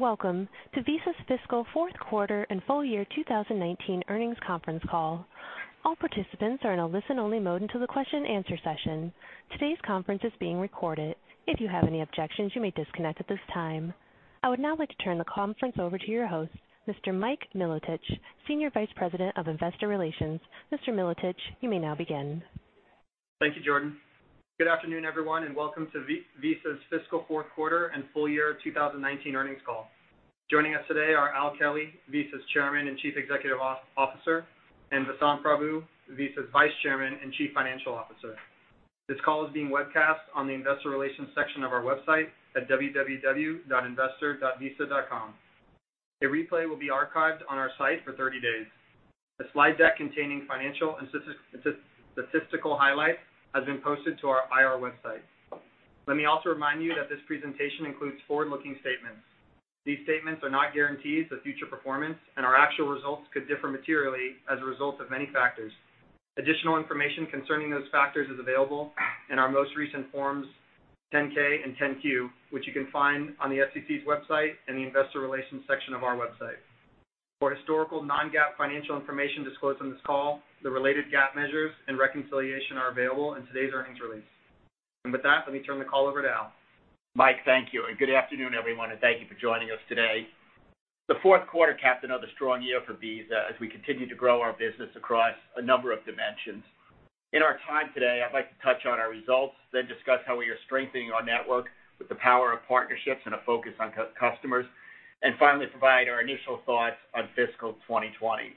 Welcome to Visa's fiscal fourth quarter and full year 2019 earnings conference call. All participants are in a listen-only mode until the question and answer session. Today's conference is being recorded. If you have any objections, you may disconnect at this time. I would now like to turn the conference over to your host, Mr. Mike Milotich, Senior Vice President of Investor Relations. Mr. Milotich, you may now begin. Thank you, Jordan. Good afternoon, everyone, and welcome to Visa's fiscal fourth quarter and full year 2019 earnings call. Joining us today are Al Kelly, Visa's Chairman and Chief Executive Officer, and Vasant Prabhu, Visa's Vice Chairman and Chief Financial Officer. This call is being webcast on the investor relations section of our website at www.investor.visa.com. A replay will be archived on our site for 30 days. A slide deck containing financial and statistical highlights has been posted to our IR website. Let me also remind you that this presentation includes forward-looking statements. These statements are not guarantees of future performance, and our actual results could differ materially as a result of many factors. Additional information concerning those factors is available in our most recent Forms 10-K and 10-Q, which you can find on the SEC's website and the investor relations section of our website. For historical non-GAAP financial information disclosed on this call, the related GAAP measures and reconciliation are available in today's earnings release. With that, let me turn the call over to Al. Mike, thank you, and good afternoon, everyone, and thank you for joining us today. The fourth quarter capped another strong year for Visa as we continue to grow our business across a number of dimensions. In our time today, I'd like to touch on our results, then discuss how we are strengthening our network with the power of partnerships and a focus on customers, and finally provide our initial thoughts on fiscal 2020.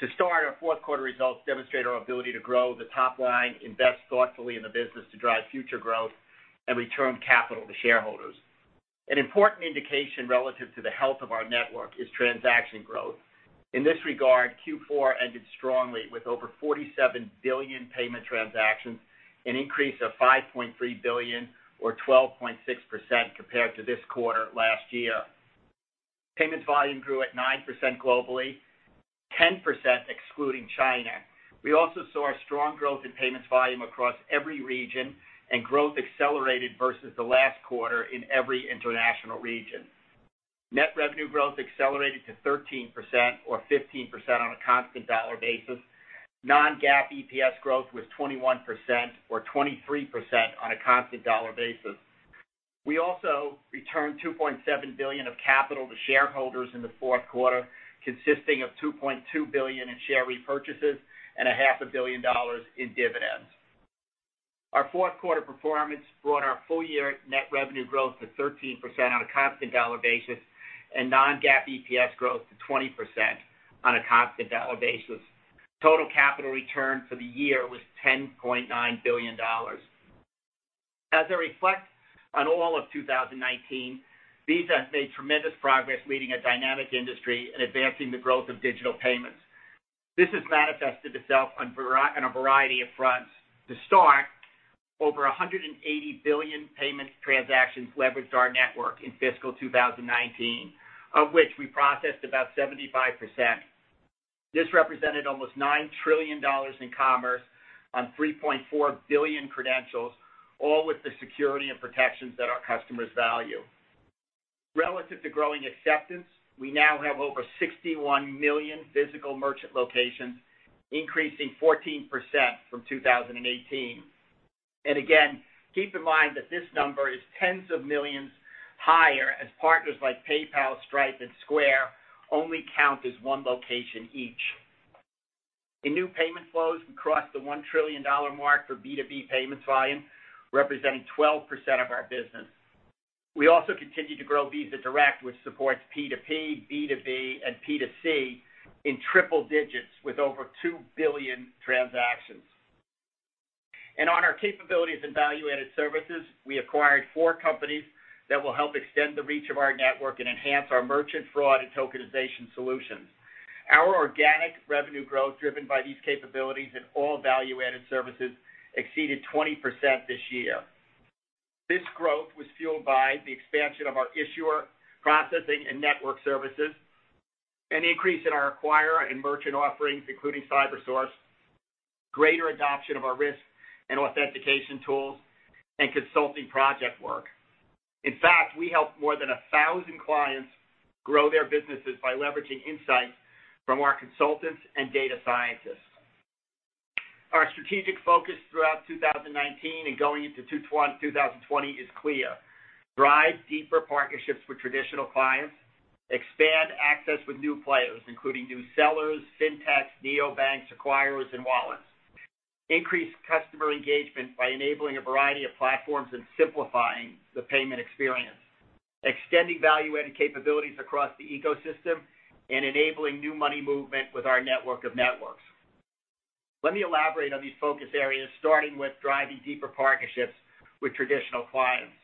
To start, our fourth quarter results demonstrate our ability to grow the top line, invest thoughtfully in the business to drive future growth, and return capital to shareholders. An important indication relative to the health of our network is transaction growth. In this regard, Q4 ended strongly with over 47 billion payment transactions, an increase of 5.3 billion or 12.6% compared to this quarter last year. Payments volume grew at 9% globally, 10% excluding China. We also saw a strong growth in payments volume across every region. Growth accelerated versus the last quarter in every international region. Net revenue growth accelerated to 13%, or 15% on a constant dollar basis. Non-GAAP EPS growth was 21%, or 23% on a constant dollar basis. We also returned $2.7 billion of capital to shareholders in the fourth quarter, consisting of $2.2 billion in share repurchases and a half a billion dollars in dividends. Our fourth quarter performance brought our full-year net revenue growth to 13% on a constant dollar basis and non-GAAP EPS growth to 20% on a constant dollar basis. Total capital return for the year was $10.9 billion. As I reflect on all of 2019, Visa has made tremendous progress leading a dynamic industry and advancing the growth of digital payments. This has manifested itself on a variety of fronts. To start, over 180 billion payment transactions leveraged our network in fiscal 2019, of which we processed about 75%. This represented almost $9 trillion in commerce on 3.4 billion credentials, all with the security and protections that our customers value. Relative to growing acceptance, we now have over 61 million physical merchant locations, increasing 14% from 2018. Again, keep in mind that this number is tens of millions higher as partners like PayPal, Stripe, and Square only count as one location each. In new payment flows, we crossed the $1 trillion mark for B2B payments volume, representing 12% of our business. We also continued to grow Visa Direct, which supports P2P, B2B, and P2C in triple digits with over 2 billion transactions. On our capabilities in value-added services, we acquired 4 companies that will help extend the reach of our network and enhance our merchant fraud and tokenization solutions. Our organic revenue growth driven by these capabilities in all value-added services exceeded 20% this year. This growth was fueled by the expansion of our issuer processing and network services, an increase in our acquirer and merchant offerings, including Cybersource, greater adoption of our risk and authentication tools, and consulting project work. In fact, we helped more than 1,000 clients grow their businesses by leveraging insights from our consultants and data scientists. Our strategic focus throughout 2019 and going into 2020 is clear. Drive deeper partnerships with traditional clients, expand access with new players, including new sellers, fintechs, neobanks, acquirers, and wallets. Increase customer engagement by enabling a variety of platforms and simplifying the payment experience. Extending value-added capabilities across the ecosystem and enabling new money movement with our network of networks. Let me elaborate on these focus areas, starting with driving deeper partnerships with traditional clients.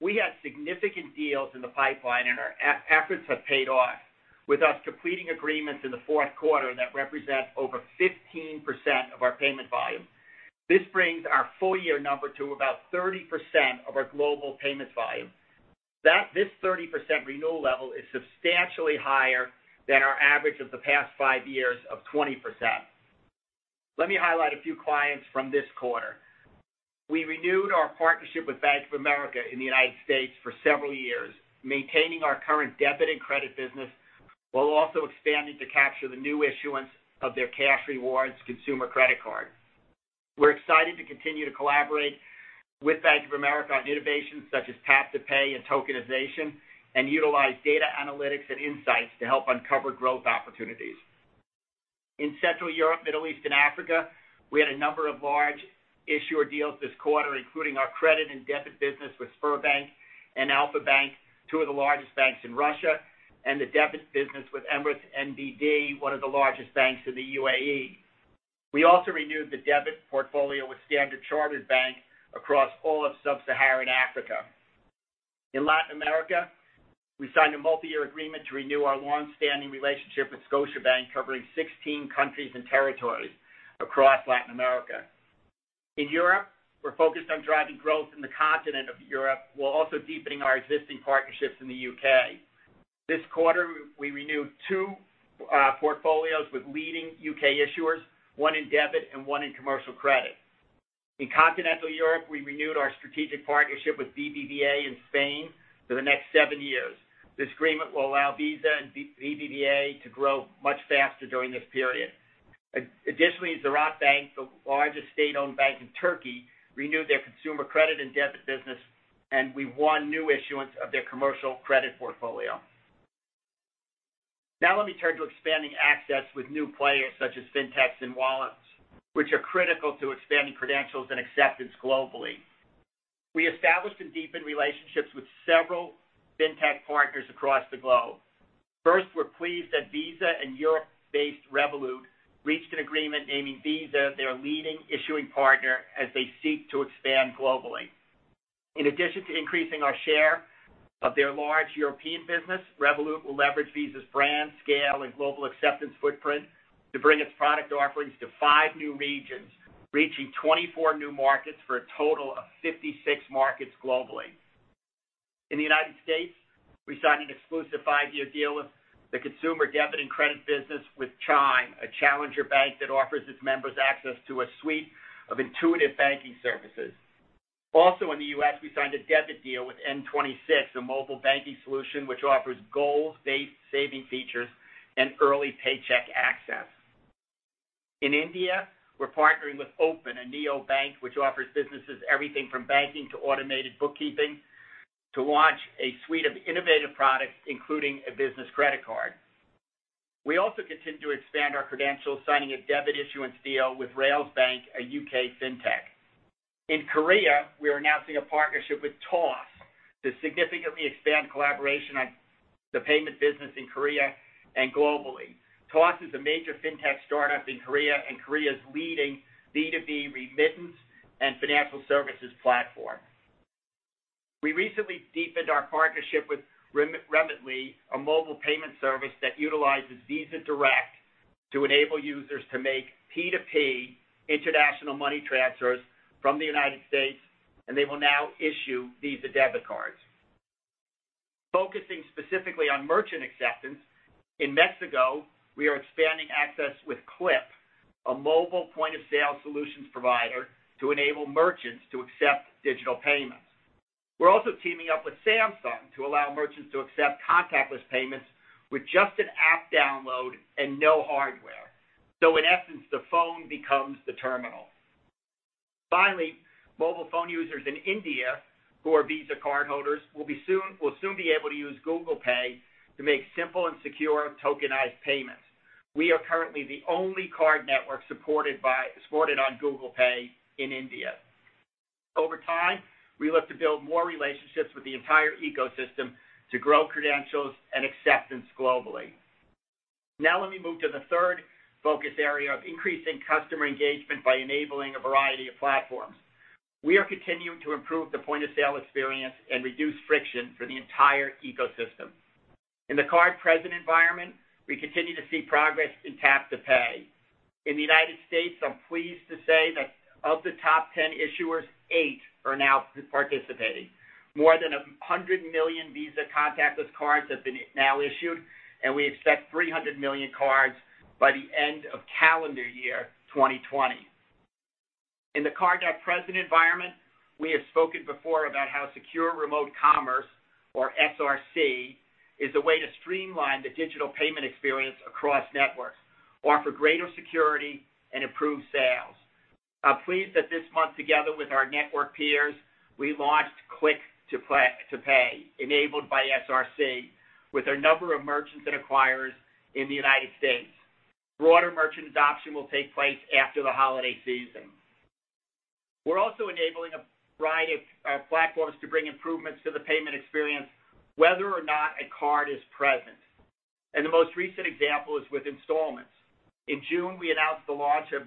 We had significant deals in the pipeline, and our efforts have paid off with us completing agreements in the fourth quarter that represent over 15% of our payment volume. This brings our full-year number to about 30% of our global payments volume. This 30% renewal level is substantially higher than our average of the past five years of 20%. Let me highlight a few clients from this quarter. We renewed our partnership with Bank of America in the U.S. for several years, maintaining our current debit and credit business, while also expanding to capture the new issuance of their cash rewards consumer credit card. We're excited to continue to collaborate with Bank of America on innovations such as tap to pay and tokenization, and utilize data analytics and insights to help uncover growth opportunities. In Central Europe, Middle East, and Africa, we had a number of large issuer deals this quarter, including our credit and debit business with Sberbank and Alfa-Bank, two of the largest banks in Russia, and the debit business with Emirates NBD, one of the largest banks in the UAE. We also renewed the debit portfolio with Standard Chartered Bank across all of sub-Saharan Africa. In Latin America, we signed a multi-year agreement to renew our long-standing relationship with Scotiabank, covering 16 countries and territories across Latin America. In Europe, we're focused on driving growth in the continent of Europe, while also deepening our existing partnerships in the U.K. This quarter, we renewed two portfolios with leading U.K. issuers, one in debit and one in commercial credit. In continental Europe, we renewed our strategic partnership with BBVA in Spain for the next seven years. This agreement will allow Visa and BBVA to grow much faster during this period. Additionally, Ziraat Bank, the largest state-owned bank in Turkey, renewed their consumer credit and debit business, and we won new issuance of their commercial credit portfolio. Let me turn to expanding access with new players such as fintechs and wallets, which are critical to expanding credentials and acceptance globally. We established and deepened relationships with several fintech partners across the globe. First, we're pleased that Visa and Europe-based Revolut reached an agreement naming Visa their leading issuing partner as they seek to expand globally. In addition to increasing our share of their large European business, Revolut will leverage Visa's brand, scale, and global acceptance footprint to bring its product offerings to five new regions, reaching 24 new markets for a total of 56 markets globally. In the U.S., we signed an exclusive five-year deal with the consumer debit and credit business with Chime, a challenger bank that offers its members access to a suite of intuitive banking services. In the U.S., we signed a debit deal with N26, a mobile banking solution which offers goal-based saving features and early paycheck access. In India, we're partnering with Open, a neobank which offers businesses everything from banking to automated bookkeeping to launch a suite of innovative products, including a business credit card. We continue to expand our credentials, signing a debit issuance deal with Railsbank, a U.K. fintech. In Korea, we are announcing a partnership with Toss to significantly expand collaboration on the payment business in Korea and globally. Toss is a major fintech startup in Korea, and Korea's leading B2B remittance and financial services platform. We recently deepened our partnership with Remitly, a mobile payment service that utilizes Visa Direct to enable users to make P2P international money transfers from the U.S., and they will now issue Visa debit cards. Focusing specifically on merchant acceptance, in Mexico, we are expanding access with Clip, a mobile point-of-sale solutions provider to enable merchants to accept digital payments. We're also teaming up with Samsung to allow merchants to accept contactless payments with just an app download and no hardware. In essence, the phone becomes the terminal. Finally, mobile phone users in India who are Visa cardholders will soon be able to use Google Pay to make simple and secure tokenized payments. We are currently the only card network supported on Google Pay in India. Over time, we look to build more relationships with the entire ecosystem to grow credentials and acceptance globally. Now let me move to the third focus area of increasing customer engagement by enabling a variety of platforms. We are continuing to improve the point-of-sale experience and reduce friction for the entire ecosystem. In the card-present environment, we continue to see progress in tap to pay. In the United States, I'm pleased to say that of the top 10 issuers, eight are now participating. More than 100 million Visa contactless cards have been now issued, and we expect 300 million cards by the end of calendar year 2020. In the card-not-present environment, we have spoken before about how Secure Remote Commerce, or SRC, is a way to streamline the digital payment experience across networks, offer greater security, and improve sales. I'm pleased that this month, together with our network peers, we launched Click to Pay, enabled by SRC, with a number of merchants and acquirers in the United States. Broader merchant adoption will take place after the holiday season. We're also enabling a variety of platforms to bring improvements to the payment experience, whether or not a card is present, and the most recent example is with installments. In June, we announced the launch of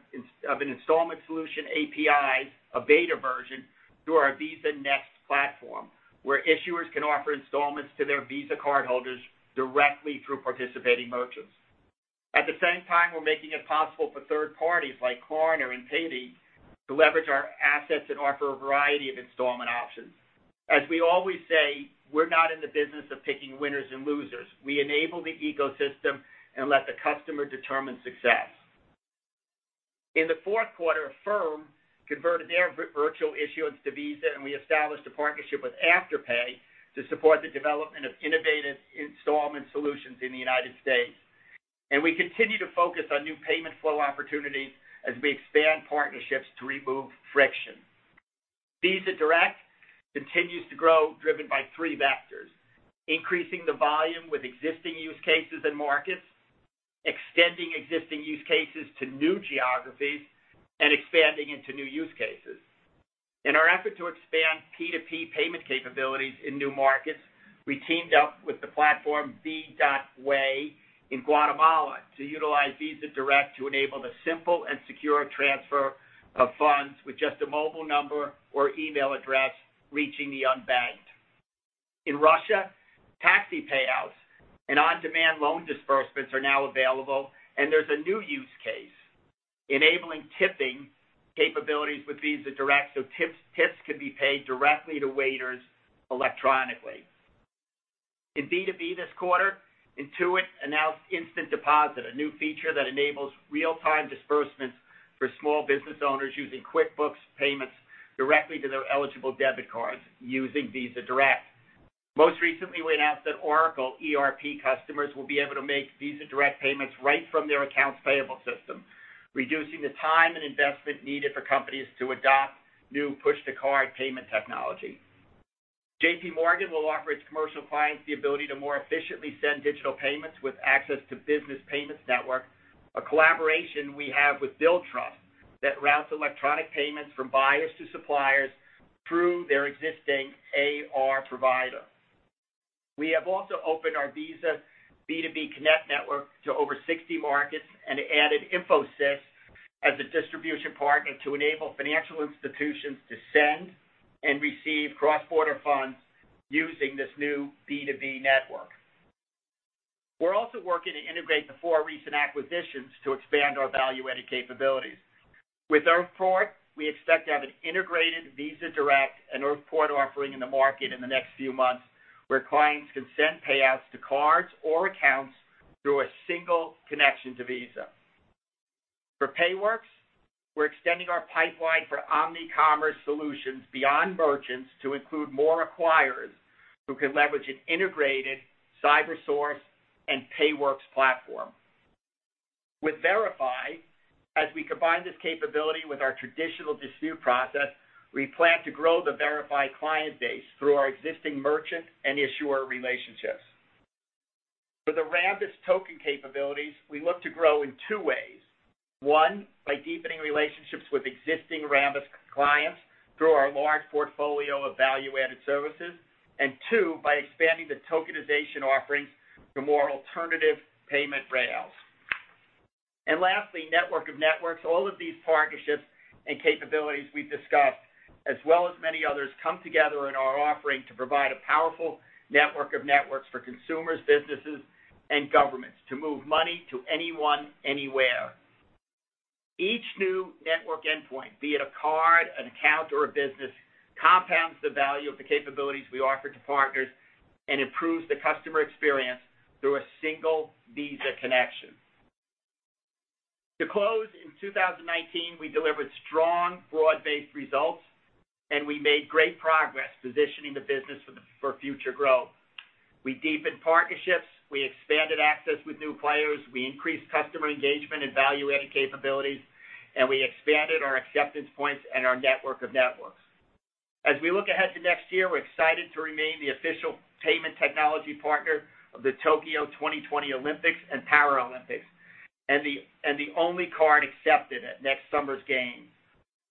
an installment solution, API, a beta version, through our Visa Next platform, where issuers can offer installments to their Visa cardholders directly through participating merchants. At the same time, we're making it possible for third parties like Klarna and Paidy to leverage our assets and offer a variety of installment options. As we always say, we're not in the business of picking winners and losers. We enable the ecosystem and let the customer determine success. In the fourth quarter, Affirm converted their virtual issuance to Visa, we established a partnership with Afterpay to support the development of innovative installment solutions in the U.S. We continue to focus on new payment flow opportunities as we expand partnerships to remove friction. Visa Direct continues to grow, driven by three vectors, increasing the volume with existing use cases and markets, extending existing use cases to new geographies, and expanding into new use cases. In our effort to expand P2P payment capabilities in new markets, we teamed up with the platform V.way in Guatemala to utilize Visa Direct to enable the simple and secure transfer of funds with just a mobile number or email address, reaching the unbanked. In Russia, taxi payouts and on-demand loan disbursements are now available, there's a new use case enabling tipping capabilities with Visa Direct so tips could be paid directly to waiters electronically. In B2B this quarter, Intuit announced Instant Deposit, a new feature that enables real-time disbursements for small business owners using QuickBooks payments directly to their eligible debit cards using Visa Direct. Most recently, we announced that Oracle ERP customers will be able to make Visa Direct payments right from their accounts payable system, reducing the time and investment needed for companies to adopt new push-to-card payment technology. J.P. Morgan will offer its commercial clients the ability to more efficiently send digital payments with access to Business Payments Network, a collaboration we have with Billtrust that routes electronic payments from buyers to suppliers through their existing AR provider. We have also opened our Visa B2B Connect network to over 60 markets and added Infosys as a distribution partner to enable financial institutions to send and receive cross-border funds using this new B2B network. We're also working to integrate the four recent acquisitions to expand our value-added capabilities. With Earthport, we expect to have an integrated Visa Direct and Earthport offering in the market in the next few months, where clients can send payouts to cards or accounts through a single connection to Visa. For Payworks, we're extending our pipeline for omni-commerce solutions beyond merchants to include more acquirers who can leverage an integrated Cybersource and Payworks platform. With Verifi, as we combine this capability with our traditional dispute process, we plan to grow the Verifi client base through our existing merchant and issuer relationships. For the Rambus token capabilities, we look to grow in two ways. One, by deepening relationships with existing Rambus clients through our large portfolio of value-added services. Two, by expanding the tokenization offerings for more alternative payment rails. Lastly, network of networks. All of these partnerships and capabilities we've discussed, as well as many others, come together in our offering to provide a powerful network of networks for consumers, businesses, and governments to move money to anyone, anywhere. Each new network endpoint, be it a card, an account, or a business, compounds the value of the capabilities we offer to partners and improves the customer experience through a single Visa connection. To close, in 2019, we delivered strong, broad-based results, and we made great progress positioning the business for future growth. We deepened partnerships, we expanded access with new players, we increased customer engagement and value-added capabilities, and we expanded our acceptance points and our network of networks. As we look ahead to next year, we're excited to remain the official payment technology partner of the Tokyo 2020 Olympics and Paralympics, and the only card accepted at next summer's games.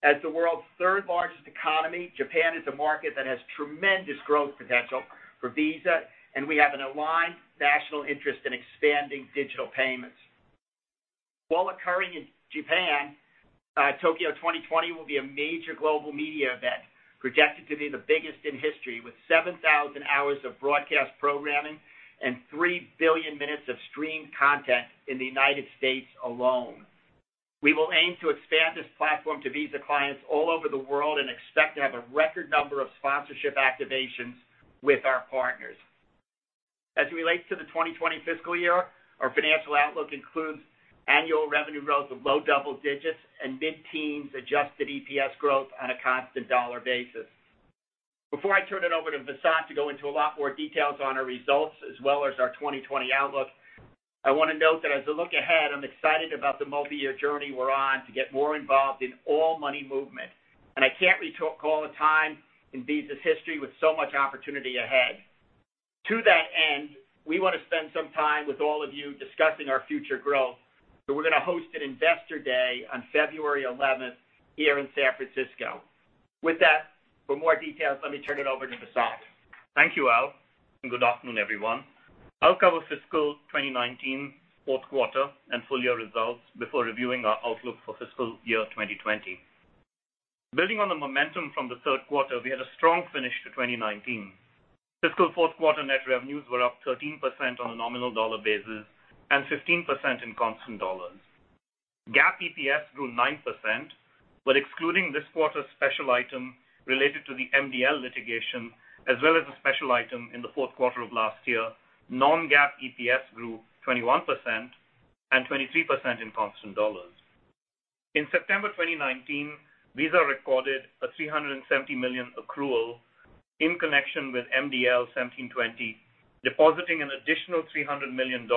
As the world's third-largest economy, Japan is a market that has tremendous growth potential for Visa, and we have an aligned national interest in expanding digital payments. While occurring in Japan, Tokyo 2020 will be a major global media event, projected to be the biggest in history, with 7,000 hours of broadcast programming and 3 billion minutes of streamed content in the U.S. alone. We will aim to expand this platform to Visa clients all over the world and expect to have a record number of sponsorship activations with our partners. As it relates to the 2020 fiscal year, our financial outlook includes annual revenue growth of low double digits and mid-teens adjusted EPS growth on a constant dollar basis. Before I turn it over to Vasant to go into a lot more details on our results as well as our 2020 outlook, I want to note that as I look ahead, I'm excited about the multi-year journey we're on to get more involved in all money movement, and I can't recall a time in Visa's history with so much opportunity ahead. To that end, we want to spend some time with all of you discussing our future growth. We're going to host an Investor Day on February 11th here in San Francisco. With that, for more details, let me turn it over to Vasant. Thank you, Al. Good afternoon, everyone. I'll cover fiscal 2019 fourth quarter and full-year results before reviewing our outlook for fiscal year 2020. Building on the momentum from the third quarter, we had a strong finish to 2019. Fiscal fourth quarter net revenues were up 13% on a nominal dollar basis and 15% in constant dollars. GAAP EPS grew 9%. Excluding this quarter's special item related to the MDL litigation, as well as a special item in the fourth quarter of last year, non-GAAP EPS grew 21% and 23% in constant dollars. In September 2019, Visa recorded a $370 million accrual in connection with MDL 1720, depositing an additional $300 million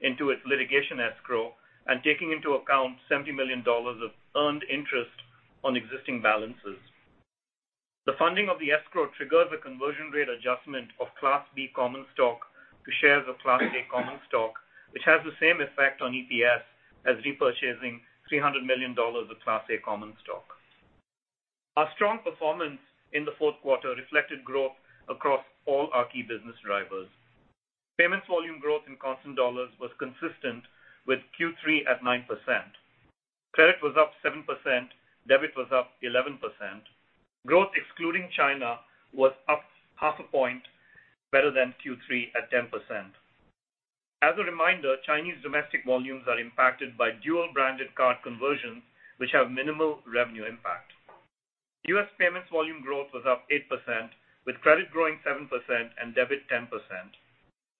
into its litigation escrow and taking into account $70 million of earned interest on existing balances. The funding of the escrow triggered a conversion rate adjustment of Class B common stock to shares of Class A common stock, which has the same effect on EPS as repurchasing $300 million of Class A common stock. Our strong performance in the fourth quarter reflected growth across all our key business drivers. Payments volume growth in constant dollars was consistent with Q3 at 9%. Credit was up 7%, debit was up 11%. Growth excluding China was up half a point better than Q3 at 10%. As a reminder, Chinese domestic volumes are impacted by dual-branded card conversions, which have minimal revenue impact. U.S. payments volume growth was up 8%, with credit growing 7% and debit 10%.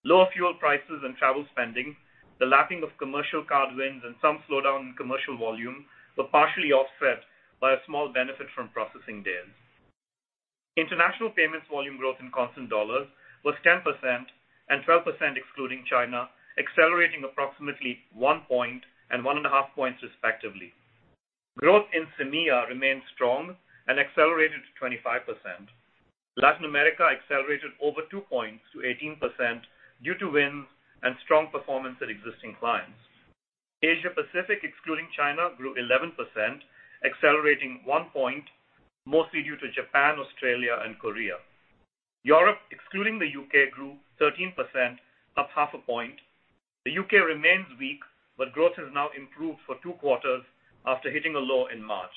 Lower fuel prices and travel spending, the lapping of commercial card wins and some slowdown in commercial volume were partially offset by a small benefit from processing deals. International payments volume growth in constant dollars was 10% and 12% excluding China, accelerating approximately one point and one and a half points respectively. Growth in MEA remained strong and accelerated to 25%. Latin America accelerated over two points to 18% due to wins and strong performance at existing clients. Asia Pacific, excluding China, grew 11%, accelerating one point mostly due to Japan, Australia and Korea. Europe, excluding the U.K., grew 13%, up half a point. Growth has now improved for two quarters after hitting a low in March.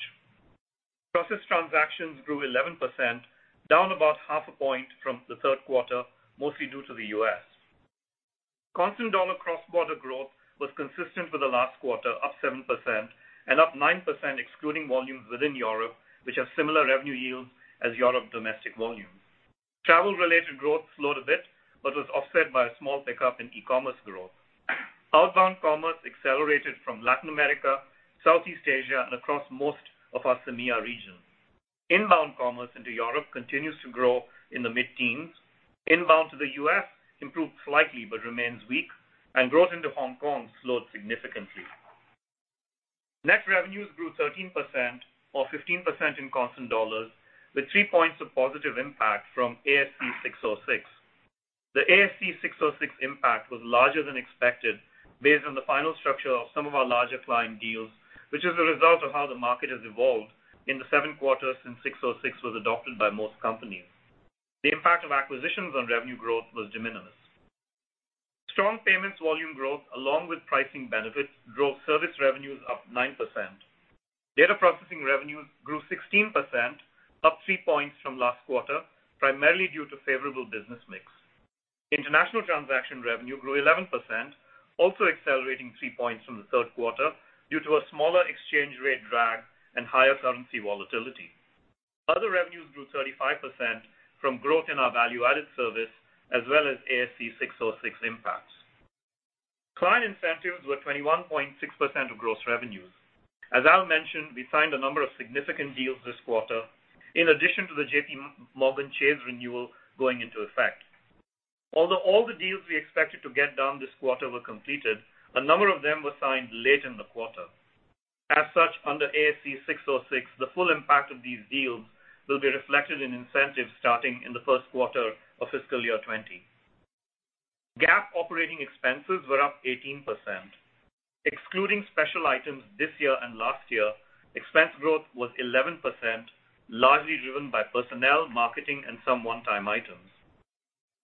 Processed transactions grew 11%, down about half a point from the third quarter, mostly due to the U.S. Constant dollar cross-border growth was consistent with the last quarter, up 7% and up 9% excluding volumes within Europe, which have similar revenue yields as Europe domestic volumes. Travel related growth slowed a bit, but was offset by a small pickup in e-commerce growth. Outbound commerce accelerated from Latin America, Southeast Asia and across most of our MEA region. Inbound commerce into Europe continues to grow in the mid-teens. Inbound to the U.S. improved slightly, but remains weak and growth into Hong Kong slowed significantly. Net revenues grew 13% or 15% in constant dollars, with three points of positive impact from ASC 606. The ASC 606 impact was larger than expected based on the final structure of some of our larger client deals, which is a result of how the market has evolved in the seven quarters since 606 was adopted by most companies. The impact of acquisitions on revenue growth was de minimis. Strong payments volume growth, along with pricing benefits, drove service revenues up 9%. Data processing revenues grew 16%, up three points from last quarter, primarily due to favorable business mix. International transaction revenue grew 11%, also accelerating three points from the third quarter due to a smaller exchange rate drag and higher currency volatility. Other revenues grew 35% from growth in our value-added service as well as ASC 606 impacts. Client incentives were 21.6% of gross revenues. As Al mentioned, we signed a number of significant deals this quarter in addition to the JPMorgan Chase renewal going into effect. Although all the deals we expected to get done this quarter were completed, a number of them were signed late in the quarter. As such, under ASC 606, the full impact of these deals will be reflected in incentives starting in the first quarter of fiscal year 2020. GAAP operating expenses were up 18%. Excluding special items this year and last year, expense growth was 11%, largely driven by personnel, marketing, and some one-time items.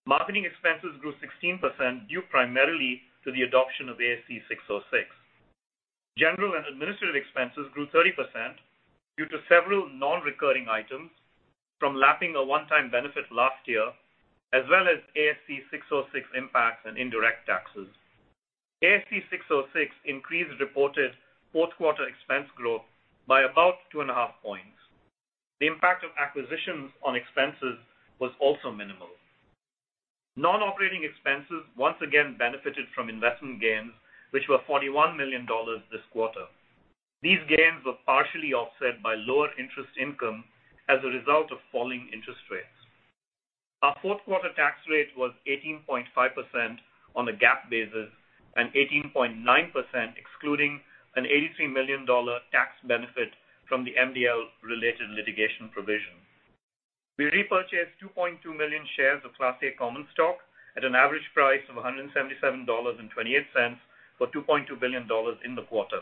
Marketing expenses grew 16%, due primarily to the adoption of ASC 606. General and administrative expenses grew 30% due to several non-recurring items from lapping a one-time benefit last year, as well as ASC 606 impacts and indirect taxes. ASC 606 increased reported fourth quarter expense growth by about 2.5 points. The impact of acquisitions on expenses was also minimal. Non-operating expenses once again benefited from investment gains, which were $41 million this quarter. These gains were partially offset by lower interest income as a result of falling interest rates. Our fourth quarter tax rate was 18.5% on a GAAP basis and 18.9%, excluding an $83 million tax benefit from the MDL-related litigation provision. We repurchased 2.2 million shares of Class A common stock at an average price of $177.28 for $2.2 billion in the quarter.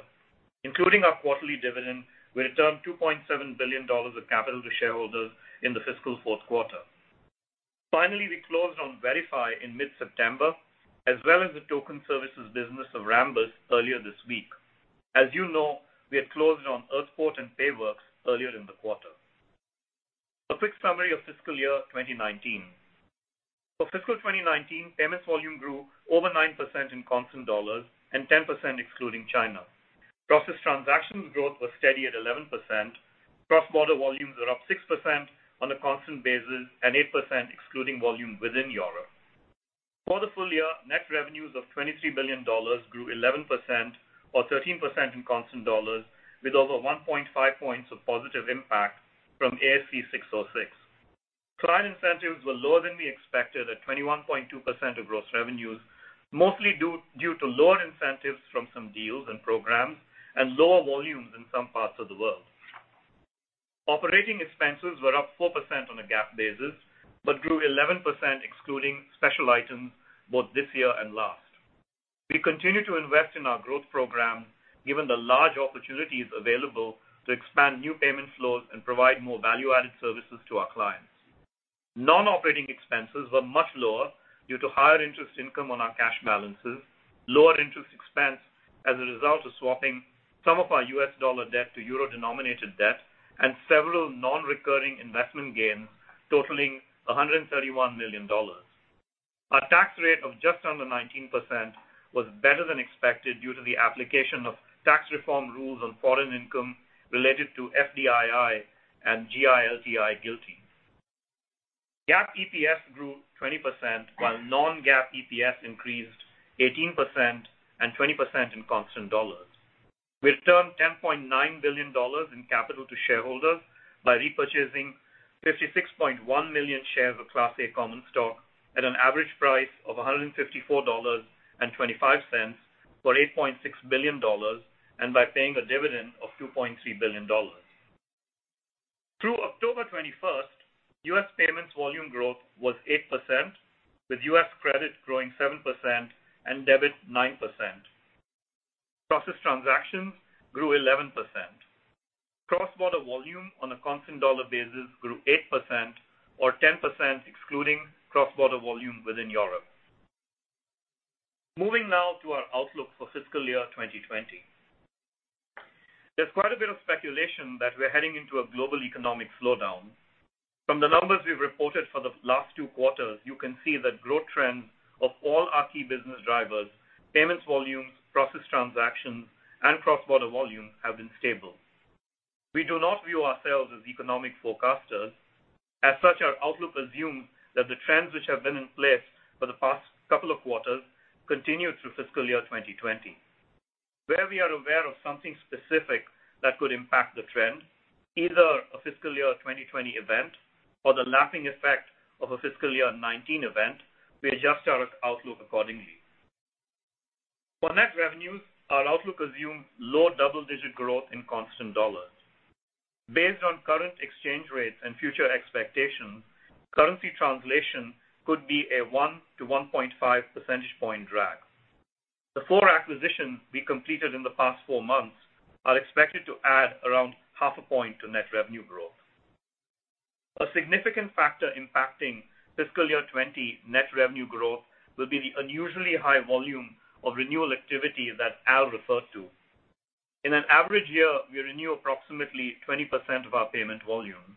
Including our quarterly dividend, we returned $2.7 billion of capital to shareholders in the fiscal fourth quarter. Finally, we closed in mid-September, as well as the token services business of Rambus earlier this week. As you know, we had closed on Earthport and Payworks earlier in the quarter. A quick summary of fiscal year 2019. For fiscal 2019, payments volume grew over 9% in constant dollars and 10% excluding China. Processed transactions growth was steady at 11%. Cross-border volumes were up 6% on a constant basis and 8% excluding volume within Europe. For the full year, net revenues of $23 billion grew 11%, or 13% in constant dollars, with over 1.5 points of positive impact from ASC 606. Client incentives were lower than we expected at 21.2% of gross revenues, mostly due to lower incentives from some deals and programs and lower volumes in some parts of the world. Operating expenses were up 4% on a GAAP basis, but grew 11% excluding special items both this year and last. We continue to invest in our growth program, given the large opportunities available to expand new payment flows and provide more value-added services to our clients. Non-operating expenses were much lower due to higher interest income on our cash balances, lower interest expense as a result of swapping some of our U.S. dollar debt to euro-denominated debt, and several non-recurring investment gains totaling $131 million. Our tax rate of just under 19% was better than expected due to the application of tax reform rules on foreign income related to FDII and GILTI. GAAP EPS grew 20%, while non-GAAP EPS increased 18% and 20% in constant dollars. We returned $10.9 billion in capital to shareholders by repurchasing 56.1 million shares of Class A common stock at an average price of $154.25 for $8.6 billion and by paying a dividend of $2.3 billion. Through October 21st, U.S. payments volume growth was 8%, with U.S. credit growing 7% and debit 9%. Processed transactions grew 11%. Cross-border volume on a constant dollar basis grew 8%, or 10% excluding cross-border volume within Europe. Moving now to our outlook for fiscal year 2020. There's quite a bit of speculation that we're heading into a global economic slowdown. From the numbers we've reported for the last two quarters, you can see that growth trends of all our key business drivers, payments volumes, processed transactions, and cross-border volume have been stable. We do not view ourselves as economic forecasters. As such, our outlook assumes that the trends which have been in place for the past couple of quarters continue through fiscal year 2020. Where we are aware of something specific that could impact the trend, either a fiscal year 2020 event or the lasting effect of a fiscal year 2019 event, we adjust our outlook accordingly. For net revenues, our outlook assumes low double-digit growth in constant dollars. Based on current exchange rates and future expectations, currency translation could be a 1 to 1.5 percentage point drag. The four acquisitions we completed in the past four months are expected to add around half a point to net revenue growth. A significant factor impacting fiscal year 2020 net revenue growth will be the unusually high volume of renewal activity that Al referred to. In an average year, we renew approximately 20% of our payment volume.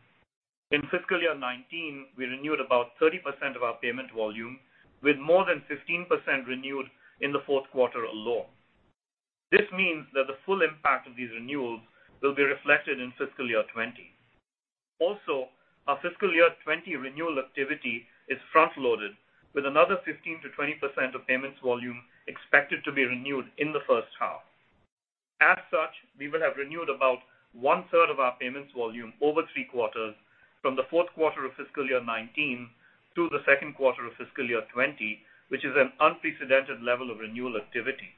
In fiscal year 2019, we renewed about 30% of our payment volume, with more than 15% renewed in the fourth quarter alone. This means that the full impact of these renewals will be reflected in fiscal year 2020. Our fiscal year 2020 renewal activity is front-loaded, with another 15%-20% of payments volume expected to be renewed in the first half. We will have renewed about one-third of our payments volume over three quarters from the fourth quarter of fiscal year 2019 through the second quarter of fiscal year 2020, which is an unprecedented level of renewal activity.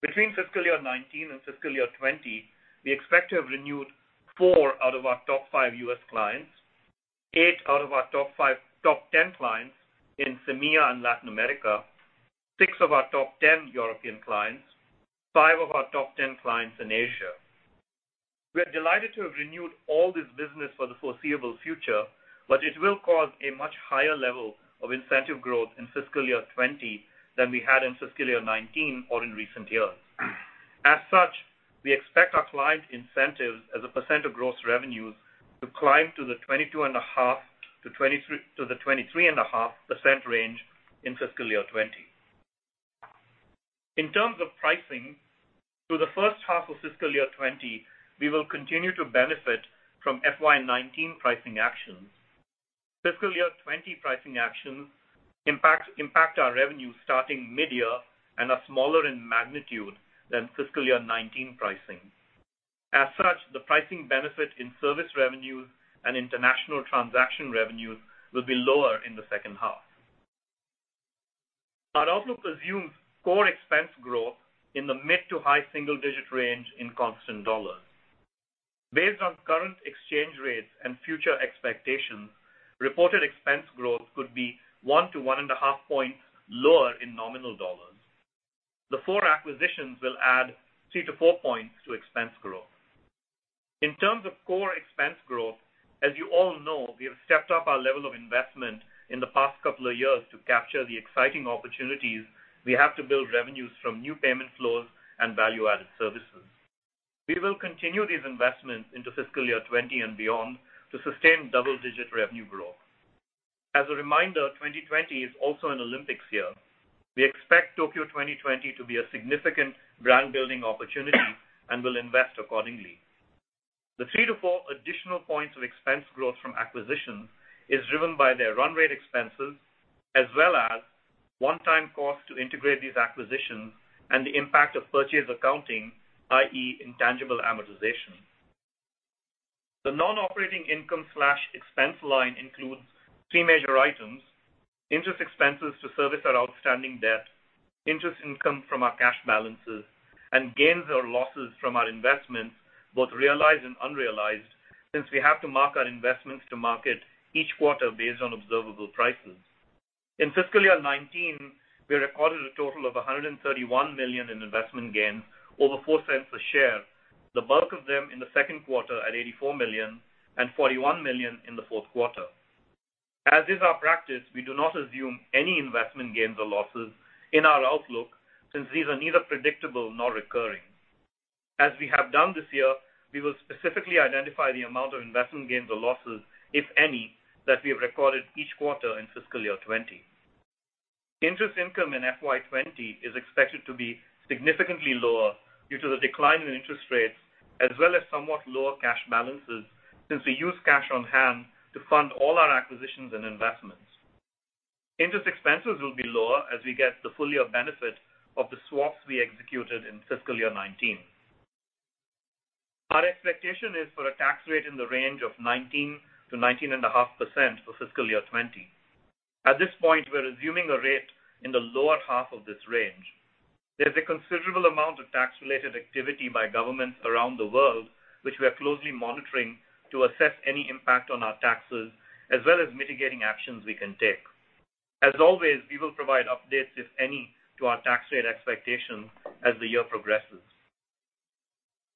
Between fiscal year 2019 and fiscal year 2020, we expect to have renewed four out of our top 5 U.S. clients, eight out of our top 10 clients in MEA and Latin America, six of our top 10 European clients, five of our top 10 clients in Asia. We are delighted to have renewed all this business for the foreseeable future, it will cause a much higher level of incentive growth in fiscal year 2020 than we had in fiscal year 2019 or in recent years. As such, we expect our client incentives as a % of gross revenues to climb to the 22.5%-23.5% range in fiscal year 2020. In terms of pricing, through the first half of fiscal year 2020, we will continue to benefit from FY 2019 pricing actions. Fiscal year 2020 pricing actions impact our revenue starting mid-year and are smaller in magnitude than fiscal year 2019 pricing. As such, the pricing benefit in service revenues and international transaction revenues will be lower in the second half. Our outlook presumes core expense growth in the mid to high single-digit range in constant dollars. Based on current exchange rates and future expectations, reported expense growth could be 1 to 1.5 points lower in nominal USD. The four acquisitions will add 3 to 4 points to expense growth. In terms of core expense growth, as you all know, we have stepped up our level of investment in the past couple of years to capture the exciting opportunities we have to build revenues from new payment flows and value-added services. We will continue these investments into fiscal year 2020 and beyond to sustain double-digit revenue growth. As a reminder, 2020 is also an Olympics year. We expect Tokyo 2020 to be a significant brand-building opportunity and will invest accordingly. The 3 to 4 additional points of expense growth from acquisitions is driven by their run rate expenses, as well as one-time costs to integrate these acquisitions and the impact of purchase accounting, i.e., intangible amortization. The non-operating income/expense line includes three major items, interest expenses to service our outstanding debt, interest income from our cash balances and gains or losses from our investments, both realized and unrealized, since we have to mark our investments to market each quarter based on observable prices. In fiscal year 2019, we recorded a total of $131 million in investment gains over $0.04 a share, the bulk of them in the second quarter at $84 million and $41 million in the fourth quarter. As is our practice, we do not assume any investment gains or losses in our outlook since these are neither predictable nor recurring. As we have done this year, we will specifically identify the amount of investment gains or losses, if any, that we have recorded each quarter in fiscal year 2020. Interest income in FY 2020 is expected to be significantly lower due to the decline in interest rates, as well as somewhat lower cash balances since we use cash on-hand to fund all our acquisitions and investments. Interest expenses will be lower as we get the full-year benefit of the swaps we executed in fiscal year 2019. Our expectation is for a tax rate in the range of 19%-19.5% for fiscal year 2020. At this point, we're assuming a rate in the lower half of this range. There's a considerable amount of tax-related activity by governments around the world, which we are closely monitoring to assess any impact on our taxes, as well as mitigating actions we can take. As always, we will provide updates, if any, to our tax rate expectations as the year progresses.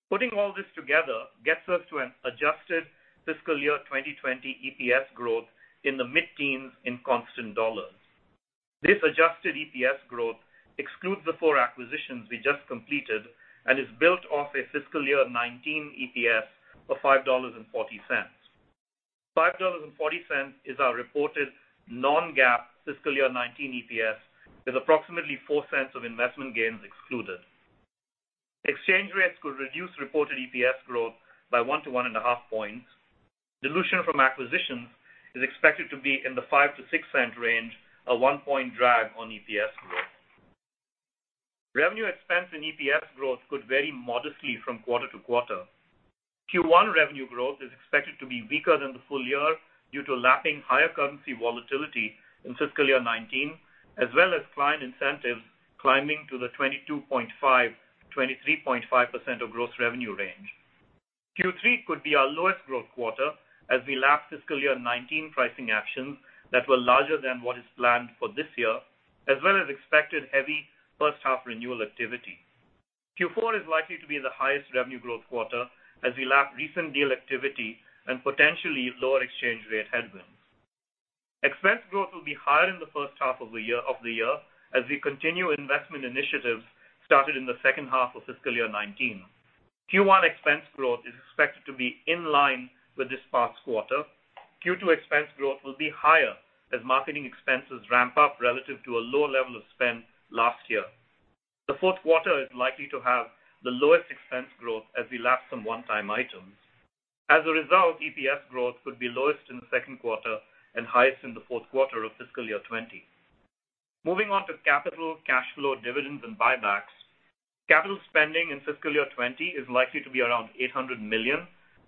Putting all this together gets us to an adjusted fiscal year 2020 EPS growth in the mid-teens in constant dollars. This adjusted EPS growth excludes the four acquisitions we just completed and is built off a fiscal year 2019 EPS of $5.40. $5.40 is our reported non-GAAP fiscal year 2019 EPS, with approximately $0.04 of investment gains excluded. Exchange rates could reduce reported EPS growth by one to 1.5 points. Dilution from acquisitions is expected to be in the $0.05-$0.06 range, a one-point drag on EPS growth. Revenue expense and EPS growth could vary modestly from quarter-to-quarter. Q1 revenue growth is expected to be weaker than the full year due to lapping higher currency volatility in fiscal year 2019, as well as client incentives climbing to the 22.5%-23.5% of gross revenue range. Q3 could be our lowest growth quarter as we lap fiscal year 2019 pricing actions that were larger than what is planned for this year, as well as expected heavy first half renewal activity. Q4 is likely to be the highest revenue growth quarter as we lap recent deal activity and potentially lower exchange rate headwinds. Expense growth will be higher in the first half of the year as we continue investment initiatives started in the second half of fiscal year 2019. Q1 expense growth is expected to be in line with this past quarter. Q2 expense growth will be higher as marketing expenses ramp up relative to a lower level of spend last year. The fourth quarter is likely to have the lowest expense growth as we lap some one-time items. As a result, EPS growth could be lowest in the 2Q and highest in the 4Q of fiscal year 2020. Moving on to capital, cash flow, dividends, and buybacks. Capital spending in fiscal year 2020 is likely to be around $800 million,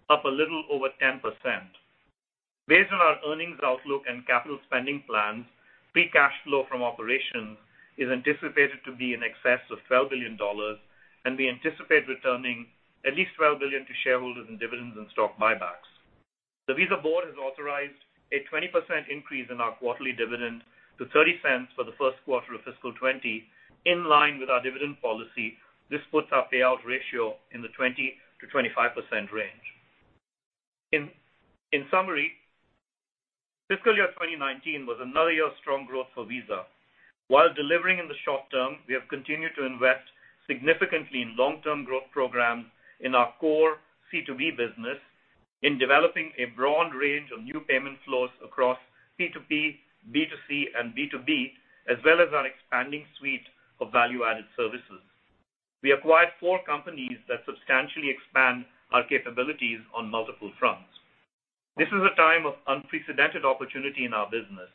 up a little over 10%. Based on our earnings outlook and capital spending plans, free cash flow from operations is anticipated to be in excess of $12 billion, and we anticipate returning at least $12 billion to shareholders in dividends and stock buybacks. The Visa board has authorized a 20% increase in our quarterly dividend to $0.30 for the 1Q of fiscal 2020, in line with our dividend policy. This puts our payout ratio in the 20%-25% range. In summary, fiscal year 2019 was another year of strong growth for Visa. While delivering in the short term, we have continued to invest significantly in long-term growth programs in our core C2B business in developing a broad range of new payment flows across P2P, B2C, and B2B, as well as our expanding suite of value-added services. We acquired four companies that substantially expand our capabilities on multiple fronts. This is a time of unprecedented opportunity in our business.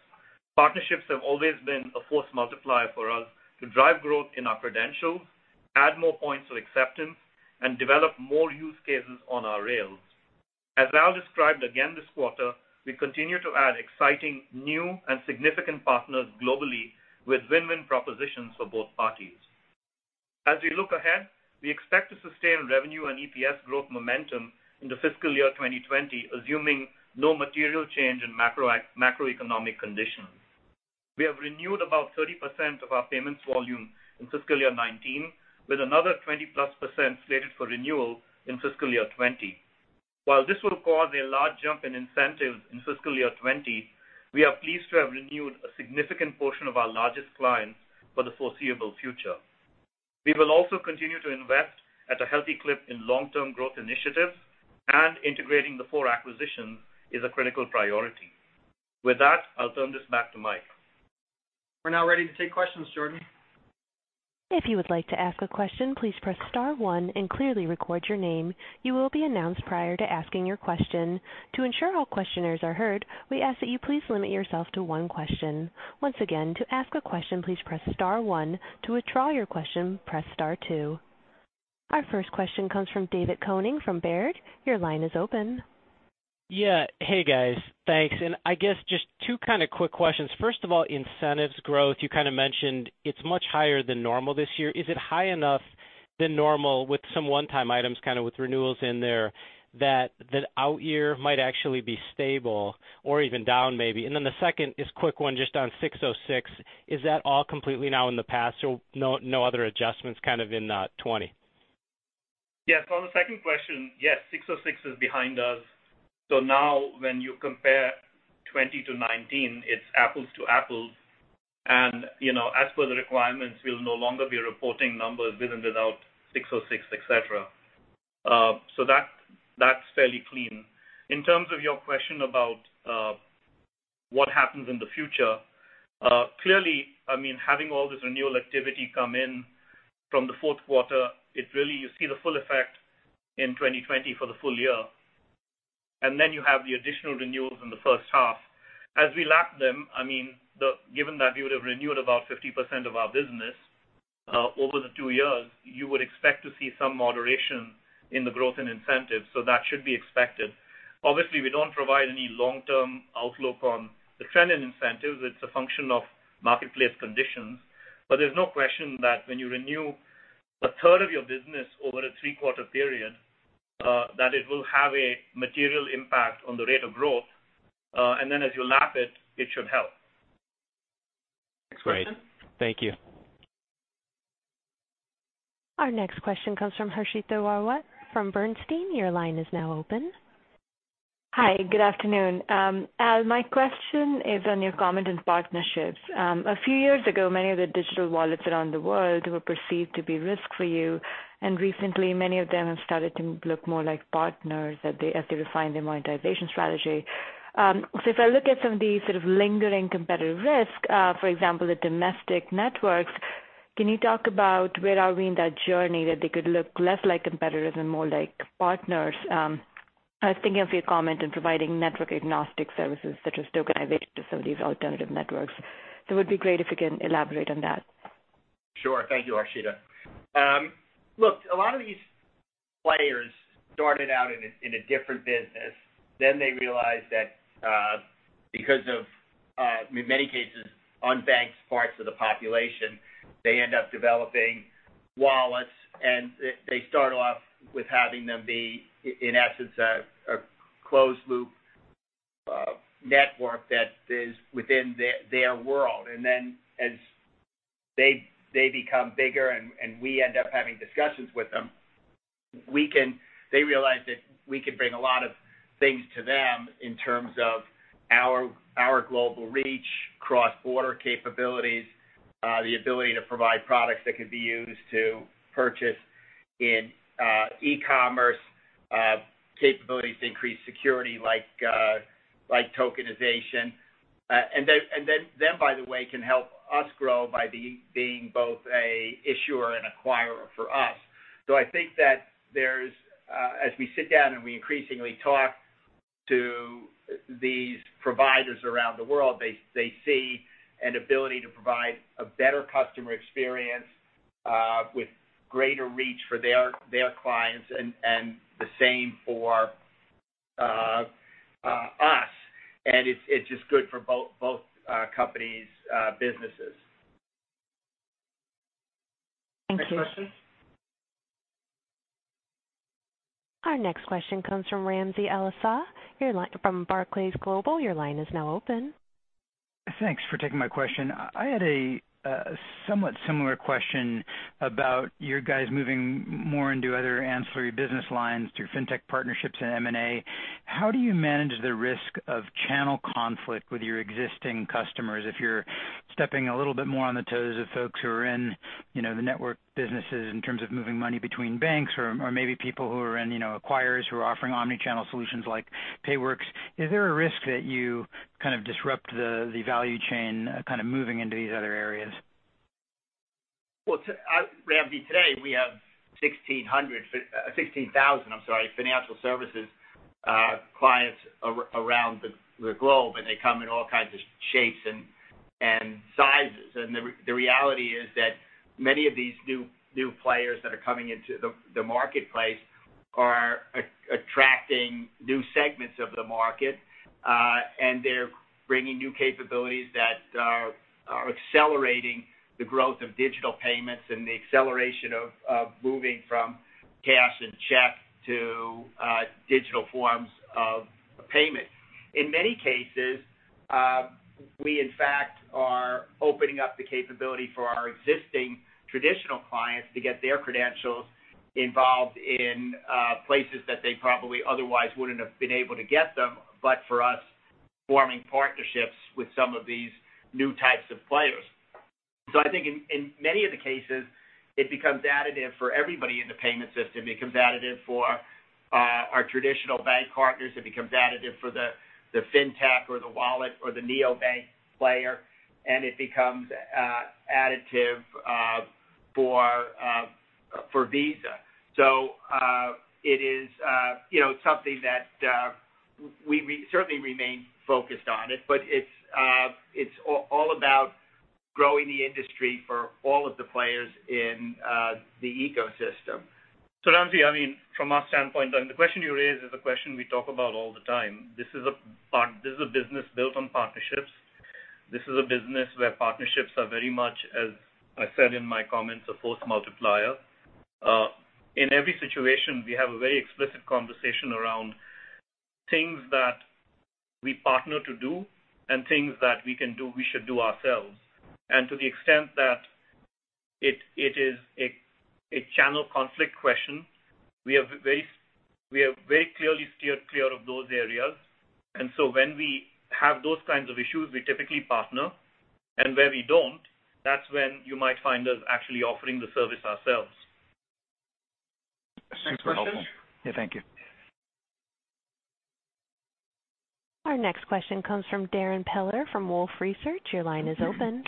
Partnerships have always been a force multiplier for us to drive growth in our credentials, add more points of acceptance, and develop more use cases on our rails. As Al described again this quarter, we continue to add exciting new and significant partners globally with win-win propositions for both parties. As we look ahead, we expect to sustain revenue and EPS growth momentum into fiscal year 2020, assuming no material change in macroeconomic conditions. We have renewed about 30% of our payments volume in fiscal year 2019, with another 20-plus percent slated for renewal in fiscal year 2020. While this will cause a large jump in incentives in fiscal year 2020, we are pleased to have renewed a significant portion of our largest clients for the foreseeable future. We will also continue to invest at a healthy clip in long-term growth initiatives, and integrating the four acquisitions is a critical priority. With that, I'll turn this back to Mike. We're now ready to take questions, Jordan. If you would like to ask a question, please press *1 and clearly record your name. You will be announced prior to asking your question. To ensure all questioners are heard, we ask that you please limit yourself to one question. Once again, to ask a question, please press *1. To withdraw your question, press *2. Our first question comes from David Koning from Baird. Your line is open. Yeah. Hey, guys. Thanks. I guess just two kind of quick questions. First of all, incentives growth, you kind of mentioned it's much higher than normal this year. Is it high enough than normal with some one-time items, kind of with renewals in there, that the out year might actually be stable or even down maybe? The second is a quick one just on 606. Is that all completely now in the past? No other adjustments kind of in 2020? Yeah. On the second question, yes, 606 is behind us. Now when you compare 2020 to 2019, it's apples to apples. As per the requirements, we'll no longer be reporting numbers with and without 606, et cetera. That's fairly clean. In terms of your question about what happens in the future, clearly, having all this renewal activity come in from the fourth quarter, you see the full effect in 2020 for the full year. Then you have the additional renewals in the first half. As we lap them, given that we would've renewed about 50% of our business over the two years, you would expect to see some moderation in the growth and incentives. That should be expected. Obviously, we don't provide any long-term outlook on the trend in incentives. It's a function of marketplace conditions. There's no question that when you renew a third of your business over a three-quarter period, that it will have a material impact on the rate of growth. As you lap it should help. Next question. Great. Thank you. Our next question comes from Harshita Rawat from Bernstein. Your line is now open. Hi. Good afternoon. Al, my question is on your comment on partnerships. A few years ago, many of the digital wallets around the world were perceived to be risk for you, and recently many of them have started to look more like partners as they refine their monetization strategy. If I look at some of the sort of lingering competitive risk, for example, the domestic networks, can you talk about where are we in that journey that they could look less like competitors and more like partners? I was thinking of your comment on providing network-agnostic services such as tokenization to some of these alternative networks. It would be great if you can elaborate on that. Sure. Thank you, Harshita. Look, a lot of these players started out in a different business. They realized that because of, in many cases, unbanked parts of the population, they end up developing wallets, and they start off with having them be, in essence, a closed-loop network that is within their world. As they become bigger and we end up having discussions with them, they realize that we can bring a lot of things to them in terms of our global reach, cross-border capabilities, the ability to provide products that can be used to purchase in e-commerce, capabilities to increase security like tokenization. They, by the way, can help us grow by being both a issuer and acquirer for us. I think that as we sit down and we increasingly talk to these providers around the world, they see an ability to provide a better customer experience with greater reach for their clients and the same for us, and it's just good for both companies' businesses. Thank you. Next question. Our next question comes from Ramsey El-Assal from Barclays Global. Your line is now open. Thanks for taking my question. I had a somewhat similar question about you guys moving more into other ancillary business lines through fintech partnerships and M&A. How do you manage the risk of channel conflict with your existing customers if you're stepping a little bit more on the toes of folks who are in the network businesses in terms of moving money between banks or maybe people who are in acquirers who are offering omni-channel solutions like Payworks. Is there a risk that you kind of disrupt the value chain kind of moving into these other areas? Well, Ramsey, today we have 16,000 financial services clients around the globe. They come in all kinds of shapes and sizes. The reality is that many of these new players that are coming into the marketplace are attracting new segments of the market, and they're bringing new capabilities that are accelerating the growth of digital payments and the acceleration of moving from cash and check to digital forms of payment. In many cases, we, in fact, are opening up the capability for our existing traditional clients to get their credentials involved in places that they probably otherwise wouldn't have been able to get them, but for us forming partnerships with some of these new types of players. I think in many of the cases, it becomes additive for everybody in the payment system. It becomes additive for our traditional bank partners. It becomes additive for the fintech or the wallet or the neobank player, and it becomes additive for Visa. It's something that we certainly remain focused on. It's all about growing the industry for all of the players in the ecosystem. Ramsey, from our standpoint, the question you raise is a question we talk about all the time. This is a business built on partnerships. This is a business where partnerships are very much, as I said in my comments, a force multiplier. In every situation, we have a very explicit conversation around things that we partner to do and things that we can do, we should do ourselves. To the extent that it is a channel conflict question, we have very clearly steered clear of those areas. When we have those kinds of issues, we typically partner. Where we don't, that's when you might find us actually offering the service ourselves. Next question. Super helpful. Yeah, thank you. Our next question comes from Darrin Peller from Wolfe Research. Your line is open.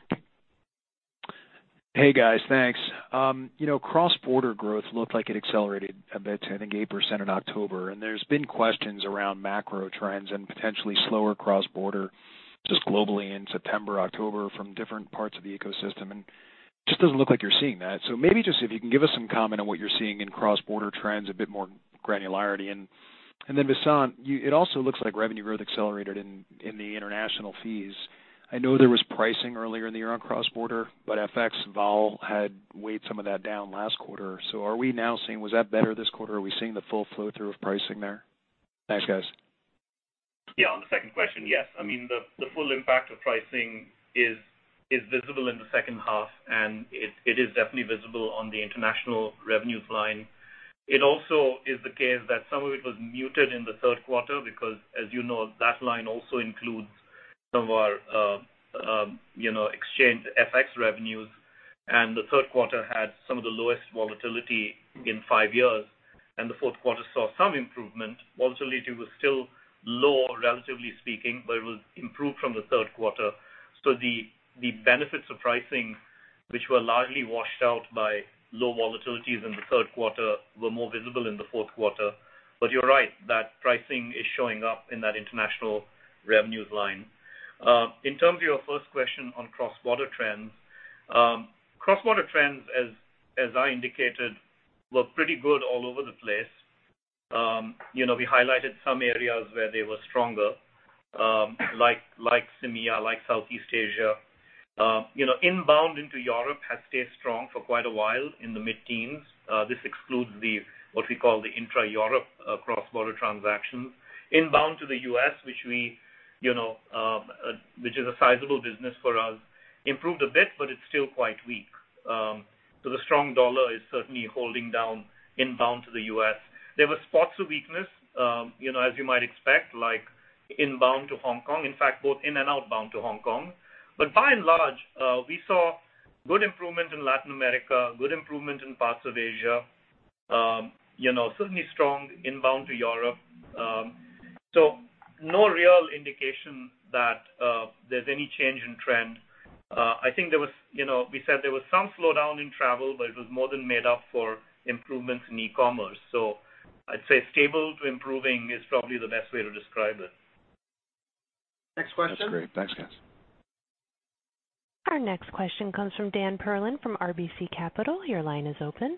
Hey, guys. Thanks. Cross-border growth looked like it accelerated a bit to, I think, 8% in October. There's been questions around macro trends and potentially slower cross-border just globally in September, October from different parts of the ecosystem and just doesn't look like you're seeing that. Maybe just if you can give us some comment on what you're seeing in cross-border trends, a bit more granularity. Vasant, it also looks like revenue growth accelerated in the international fees. I know there was pricing earlier in the year on cross-border, but FX vol had weighed some of that down last quarter. Are we now seeing, was that better this quarter? Are we seeing the full flow-through of pricing there? Thanks, guys. On the second question, yes. The full impact of pricing is visible in the second half, and it is definitely visible on the international revenues line. It also is the case that some of it was muted in the third quarter because, as you know, that line also includes some of our exchange FX revenues, and the third quarter had some of the lowest volatility in five years, and the fourth quarter saw some improvement. Volatility was still low, relatively speaking, but it was improved from the third quarter. The benefits of pricing, which were largely washed out by low volatilities in the third quarter, were more visible in the fourth quarter. You're right, that pricing is showing up in that international revenues line. In terms of your first question on cross-border trends. Cross-border trends, as I indicated, look pretty good all over the place. We highlighted some areas where they were stronger, like EMEA, like Southeast Asia. Inbound into Europe has stayed strong for quite a while, in the mid-teens. This excludes what we call the intra-Europe cross-border transactions. Inbound to the U.S., which is a sizable business for us, improved a bit, but it's still quite weak. The strong dollar is certainly holding down inbound to the U.S. There were spots of weakness, as you might expect, like inbound to Hong Kong. In fact, both in and outbound to Hong Kong. By and large, we saw good improvement in Latin America, good improvement in parts of Asia. Certainly strong inbound to Europe. No real indication that there's any change in trend. We said there was some slowdown in travel, but it was more than made up for improvements in e-commerce. I'd say stable to improving is probably the best way to describe it. Next question. That's great. Thanks, guys. Our next question comes from Dan Perlin from RBC Capital. Your line is open.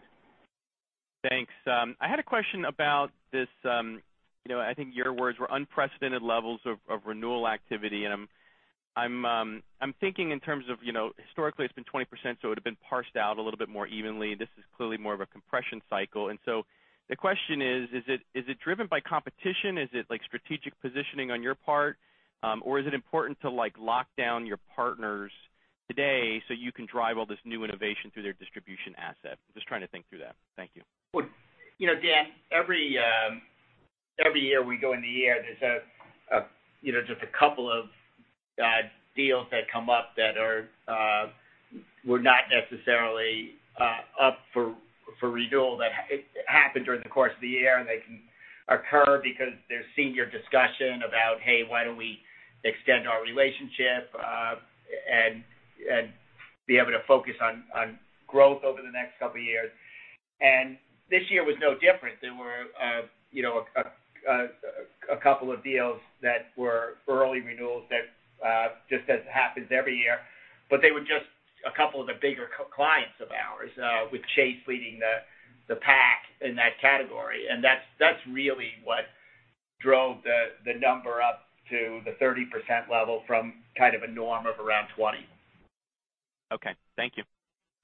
Thanks. I had a question about this, I think your words were unprecedented levels of renewal activity, and I'm thinking in terms of historically it's been 20%, so it would've been parsed out a little bit more evenly. This is clearly more of a compression cycle. The question is: Is it driven by competition? Is it strategic positioning on your part? Or is it important to lock down your partners today so you can drive all this new innovation through their distribution asset? Just trying to think through that. Thank you. Dan, every year we go into the year, there's just a couple of deals that come up that were not necessarily up for renewal that happened during the course of the year, and they can occur because there's senior discussion about, "Hey, why don't we extend our relationship and be able to focus on growth over the next couple of years." This year was no different. There were a couple of deals that were early renewals just as happens every year. They were just a couple of the bigger clients of ours, with Chase leading the pack in that category. That's really what drove the number up to the 30% level from kind of a norm of around 20. Okay. Thank you.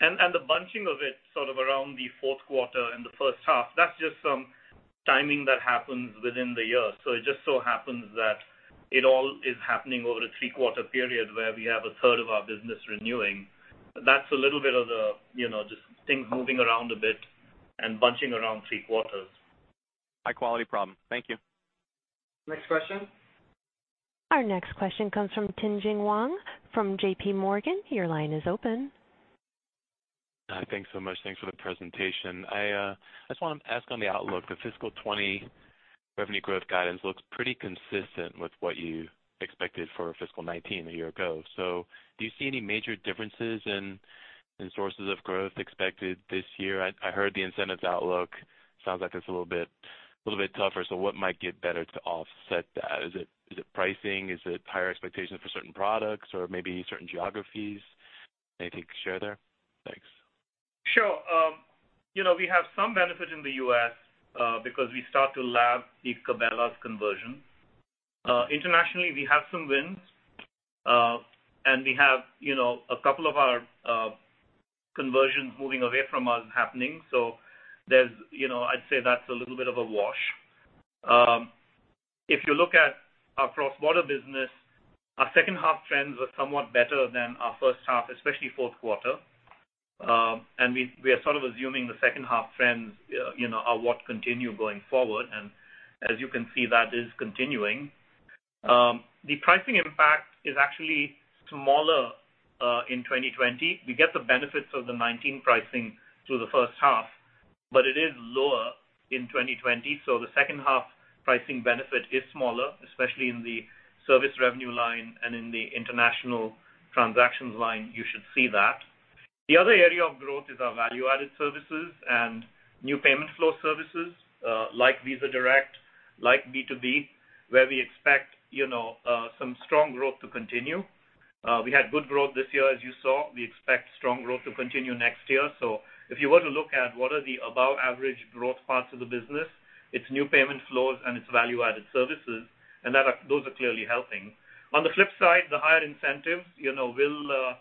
The bunching of it sort of around the fourth quarter and the first half, that's just some timing that happens within the year. It just so happens that it all is happening over a three-quarter period where we have a third of our business renewing. That's a little bit of just things moving around a bit and bunching around three quarters. High-quality problem. Thank you. Next question. Our next question comes from Tien-Tsin Huang from J.P. Morgan. Your line is open. Hi. Thanks so much. Thanks for the presentation. I just want to ask on the outlook, the FY 2020 revenue growth guidance looks pretty consistent with what you expected for FY 2019 a year ago. Do you see any major differences in sources of growth expected this year? I heard the incentives outlook sounds like it's a little bit tougher, what might get better to offset that? Is it pricing? Is it higher expectations for certain products or maybe certain geographies? Anything to share there? Thanks. Sure. We have some benefit in the U.S. because we start to lap the Cabela's conversion. Internationally, we have some wins, and we have a couple of our conversions moving away from us happening. I'd say that's a little bit of a wash. If you look at our cross-border business, our second half trends were somewhat better than our first half, especially fourth quarter. We are sort of assuming the second half trends are what continue going forward. As you can see, that is continuing. The pricing impact is actually smaller in 2020. We get the benefits of the 2019 pricing through the first half, but it is lower in 2020. The second half pricing benefit is smaller, especially in the service revenue line and in the international transactions line, you should see that. The other area of growth is our value-added services and new payment flow services, like Visa Direct, like B2B, where we expect some strong growth to continue. We had good growth this year, as you saw. We expect strong growth to continue next year. If you were to look at what are the above-average growth parts of the business, it's new payment flows and it's value-added services, those are clearly helping. On the flip side, the higher incentives will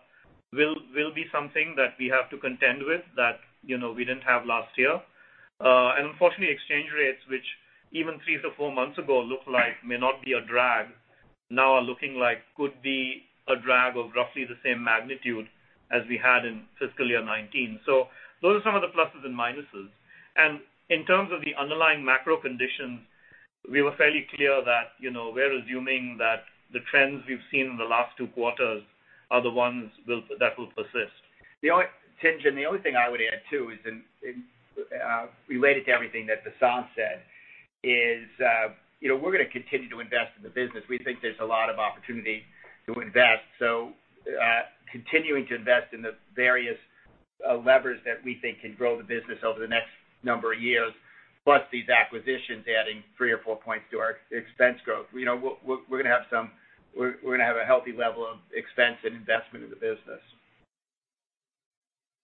be something that we have to contend with that we didn't have last year. Unfortunately, exchange rates, which even 3 to 4 months ago looked like may not be a drag, now are looking like could be a drag of roughly the same magnitude as we had in fiscal year 2019. Those are some of the pluses and minuses. In terms of the underlying macro conditions, we were fairly clear that we're assuming that the trends we've seen in the last two quarters are the ones that will persist. Tien-Tsin, the only thing I would add too, related to everything that Vasant said, is we're going to continue to invest in the business. We think there's a lot of opportunity to invest. Continuing to invest in the various levers that we think can grow the business over the next number of years, plus these acquisitions adding three or four points to our expense growth. We're going to have a healthy level of expense and investment in the business.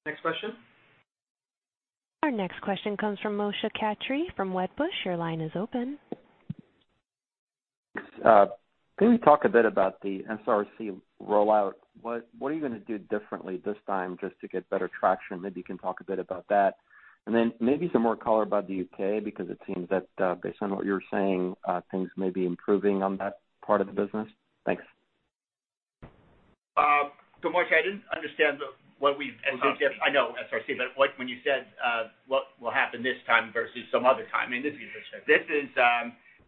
Next question. Our next question comes from Moshe Katri from Wedbush. Your line is open. Can we talk a bit about the SRC rollout? What are you going to do differently this time just to get better traction? Maybe you can talk a bit about that. Maybe some more color about the U.K., because it seems that based on what you're saying things may be improving on that part of the business. Thanks. Moshe, I didn't understand what we. SRC. I know, SRC. When you said what will happen this time versus some other time?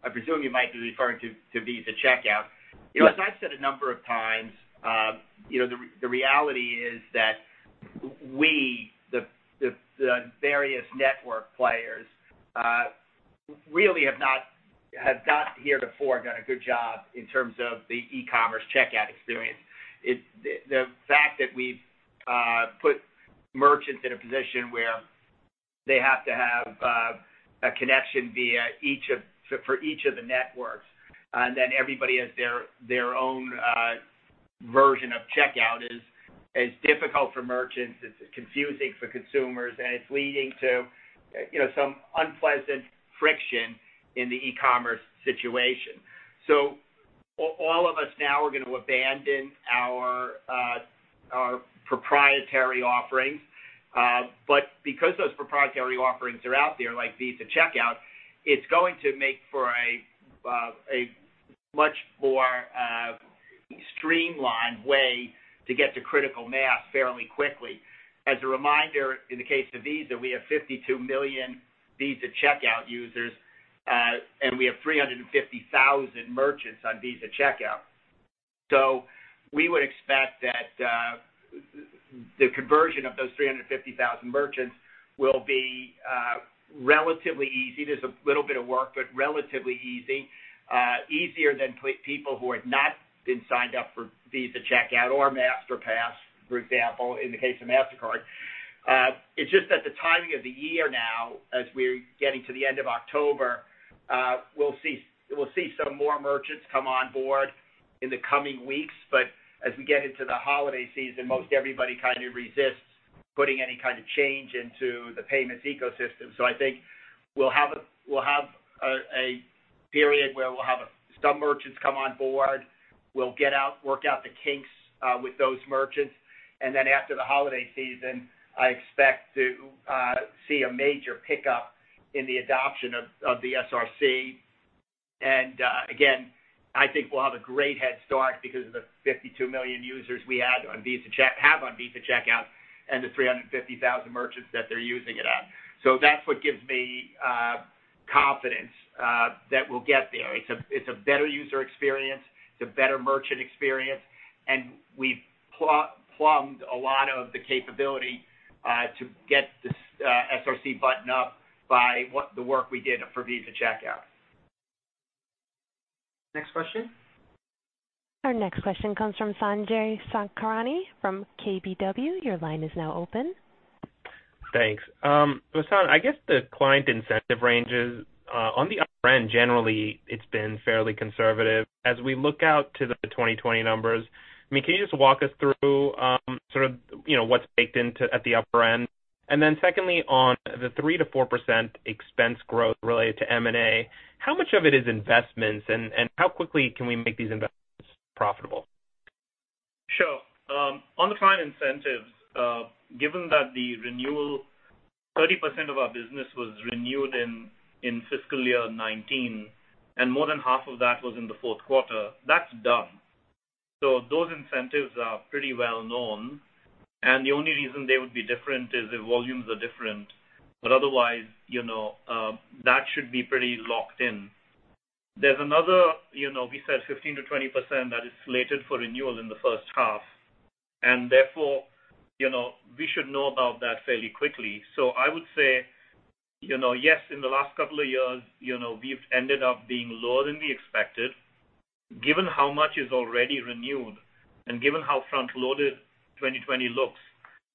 I presume you might be referring to Visa Checkout. As I've said a number of times, the reality is that we, the various network players, really have not here before done a good job in terms of the e-commerce checkout experience. The fact that we've put merchants in a position where they have to have a connection for each of the networks, and then everybody has their own version of checkout is difficult for merchants, it's confusing for consumers, and it's leading to some unpleasant friction in the e-commerce situation. All of us now are going to abandon our proprietary offerings. Because those proprietary offerings are out there, like Visa Checkout, it's going to make for a much more streamlined way to get to critical mass fairly quickly. As a reminder, in the case of Visa, we have 52 million Visa Checkout users, and we have 350,000 merchants on Visa Checkout. We would expect that the conversion of those 350,000 merchants will be relatively easy. There's a little bit of work, but relatively easy. Easier than people who had not been signed up for Visa Checkout or Masterpass, for example, in the case of Mastercard. It's just that the timing of the year now, as we're getting to the end of October, we'll see some more merchants come on board in the coming weeks, but as we get into the holiday season, most everybody kind of resists putting any kind of change into the payments ecosystem. I think we'll have a period where we'll have some merchants come on board. We'll get out, work out the kinks with those merchants, and then after the holiday season, I expect to see a major pickup in the adoption of the SRC. Again, I think we'll have a great head start because of the 52 million users we have on Visa Checkout and the 350,000 merchants that they're using it on. That's what gives me confidence that we'll get there. It's a better user experience, it's a better merchant experience, and we've plumbed a lot of the capability to get the SRC buttoned up by the work we did for Visa Checkout. Next question. Our next question comes from Sanjay Sakhrani from KBW. Your line is now open. Thanks. Vasant, I guess the client incentive ranges, on the upper end, generally, it's been fairly conservative. As we look out to the 2020 numbers, can you just walk us through what's baked into at the upper end? Secondly, on the 3%-4% expense growth related to M&A, how much of it is investments, and how quickly can we make these investments profitable? Sure. On the client incentives, given that the renewal, 30% of our business was renewed in fiscal year 2019, and more than half of that was in the fourth quarter, that's done. Those incentives are pretty well known, and the only reason they would be different is if volumes are different. Otherwise, that should be pretty locked in. There's another, we said 15%-20% that is slated for renewal in the first half, and therefore, we should know about that fairly quickly. I would say, yes, in the last couple of years, we've ended up being lower than we expected. Given how much is already renewed and given how front-loaded 2020 looks,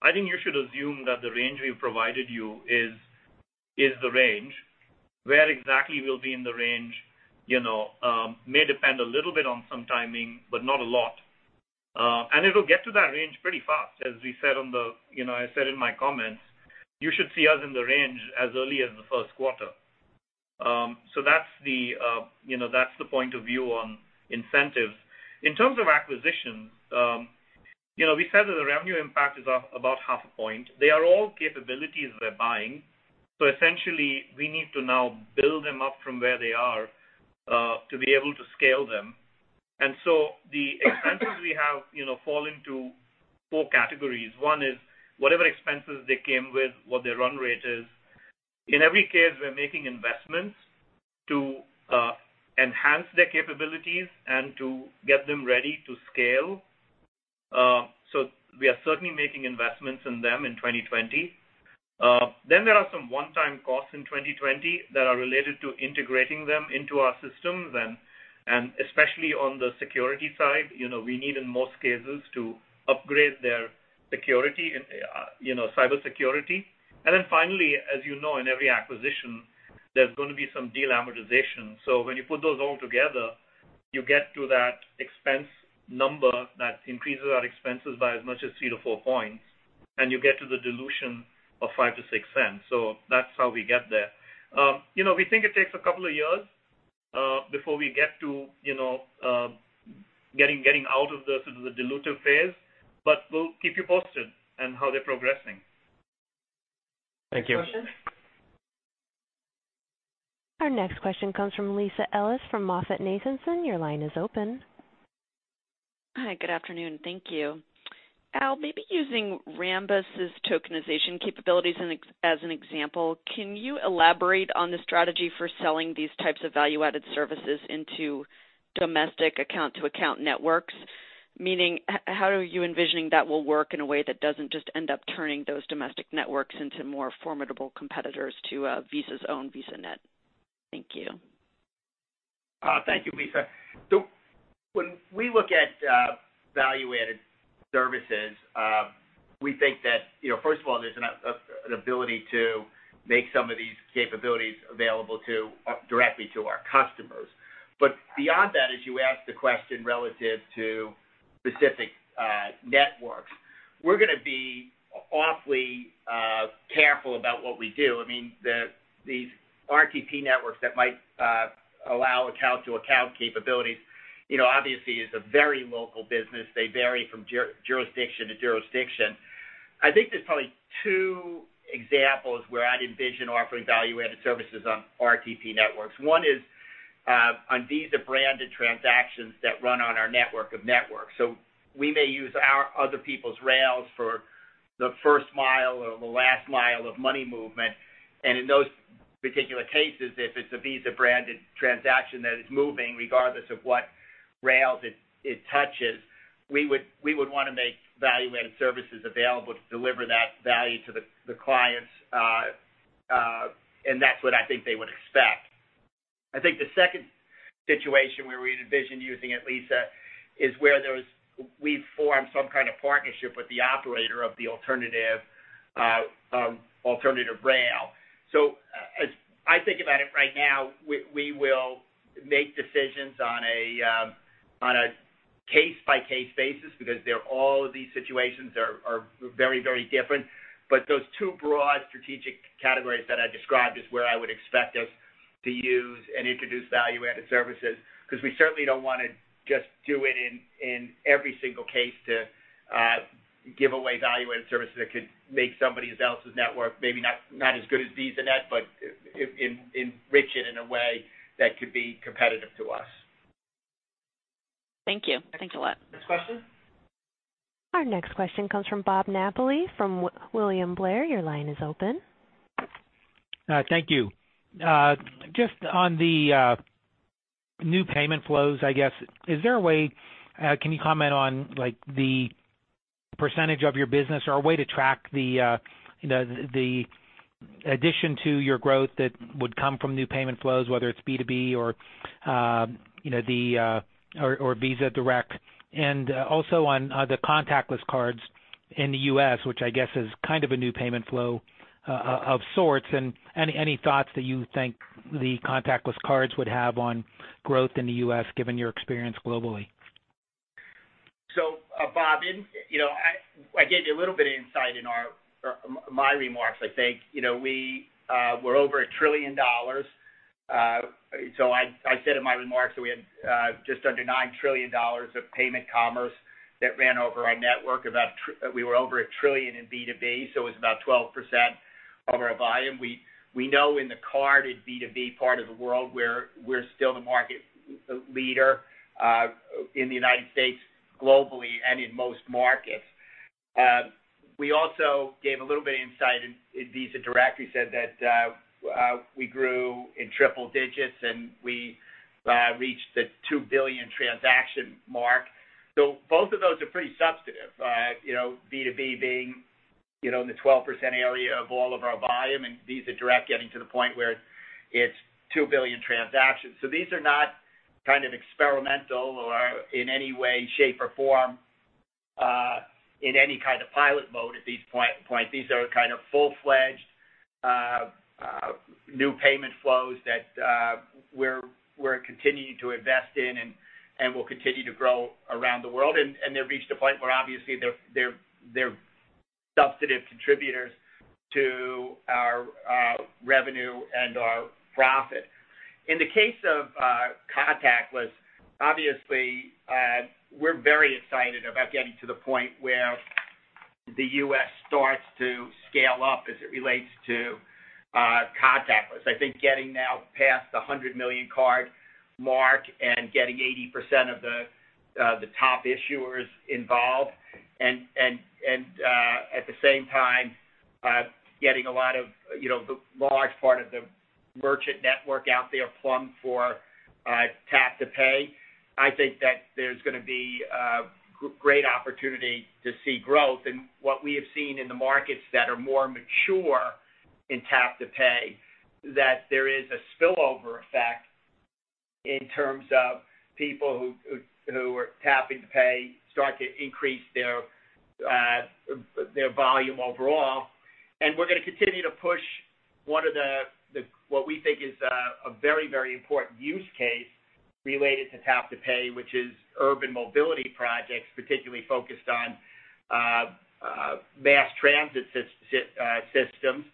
I think you should assume that the range we've provided you is the range. Where exactly we'll be in the range may depend a little bit on some timing, but not a lot. It'll get to that range pretty fast. As I said in my comments, you should see us in the range as early as the first quarter. That's the point of view on incentives. In terms of acquisitions, we said that the revenue impact is about half a point. They are all capabilities we're buying, so essentially, we need to now build them up from where they are to be able to scale them. The expenses we have fall into four categories. One is whatever expenses they came with, what their run rate is. In every case, we're making investments to enhance their capabilities and to get them ready to scale. We are certainly making investments in them in 2020. There are some one-time costs in 2020 that are related to integrating them into our systems, and especially on the security side. We need, in most cases, to upgrade their cybersecurity. Finally, as you know, in every acquisition, there's going to be some deal amortization. When you put those all together, you get to that expense number that increases our expenses by as much as three to four points, and you get to the dilution of $0.05 to $0.06. That's how we get there. We think it takes a couple of years before we get to getting out of the dilutive phase, but we'll keep you posted on how they're progressing. Thank you. Next question. Our next question comes from Lisa Ellis from MoffettNathanson. Your line is open. Hi, good afternoon. Thank you. Al, maybe using Rambus' tokenization capabilities as an example, can you elaborate on the strategy for selling these types of value-added services into domestic account-to-account networks? Meaning, how are you envisioning that will work in a way that doesn't just end up turning those domestic networks into more formidable competitors to Visa's own VisaNet? Thank you. Thank you, Lisa. When we look at value-added services, we think that, first of all, there's an ability to make some of these capabilities available directly to our customers. Beyond that, as you asked the question relative to specific networks, we're going to be awfully careful about what we do. These RTP networks that might allow account-to-account capabilities, obviously, is a very local business. They vary from jurisdiction to jurisdiction. I think there's probably two examples where I'd envision offering value-added services on RTP networks. One is on Visa-branded transactions that run on our network of networks. We may use other people's rails for the first mile or the last mile of money movement. In those particular cases, if it's a Visa-branded transaction that is moving, regardless of what rails it touches, we would want to make value-added services available to deliver that value to the clients. That's what I think they would expect. I think the second situation where we'd envision using it, Lisa, is where we form some kind of partnership with the operator of the alternative rail. Think about it right now, we will make decisions on a case-by-case basis because all of these situations are very different. Those two broad strategic categories that I described is where I would expect us to use and introduce value-added services, because we certainly don't want to just do it in every single case to give away value-added services that could make somebody else's network, maybe not as good as VisaNet, but enrich it in a way that could be competitive to us. Thank you. Thanks a lot. Next question. Our next question comes from Bob Napoli from William Blair. Your line is open. Thank you. Just on the new payment flows, I guess, can you comment on the percentage of your business or a way to track the addition to your growth that would come from new payment flows, whether it's B2B or Visa Direct? Also on the contactless cards in the U.S., which I guess is kind of a new payment flow of sorts, and any thoughts that you think the contactless cards would have on growth in the U.S., given your experience globally? Bob, I gave you a little bit of insight in my remarks. I think we're over $1 trillion. I said in my remarks that we had just under $9 trillion of payment commerce that ran over our network. We were over $1 trillion in B2B, it was about 12% of our volume. We know in the carded B2B part of the world where we're still the market leader in the U.S. globally and in most markets. We also gave a little bit of insight in Visa Direct. We said that we grew in triple digits, we reached the 2 billion transaction mark. Both of those are pretty substantive, B2B being in the 12% area of all of our volume and Visa Direct getting to the point where it's 2 billion transactions. These are not experimental or in any way, shape, or form in any kind of pilot mode at this point. These are full-fledged new payment flows that we're continuing to invest in and will continue to grow around the world. They've reached a point where obviously they're substantive contributors to our revenue and our profit. In the case of contactless, obviously, we're very excited about getting to the point where the U.S. starts to scale up as it relates to contactless. I think getting now past the 100 million card mark and getting 80% of the top issuers involved and at the same time getting a large part of the merchant network out there plumbed for tap to pay. I think that there's going to be a great opportunity to see growth. What we have seen in the markets that are more mature in tap to pay, that there is a spillover effect in terms of people who are tapping to pay start to increase their volume overall. We're going to continue to push what we think is a very important use case related to tap to pay, which is urban mobility projects, particularly focused on mass transit systems.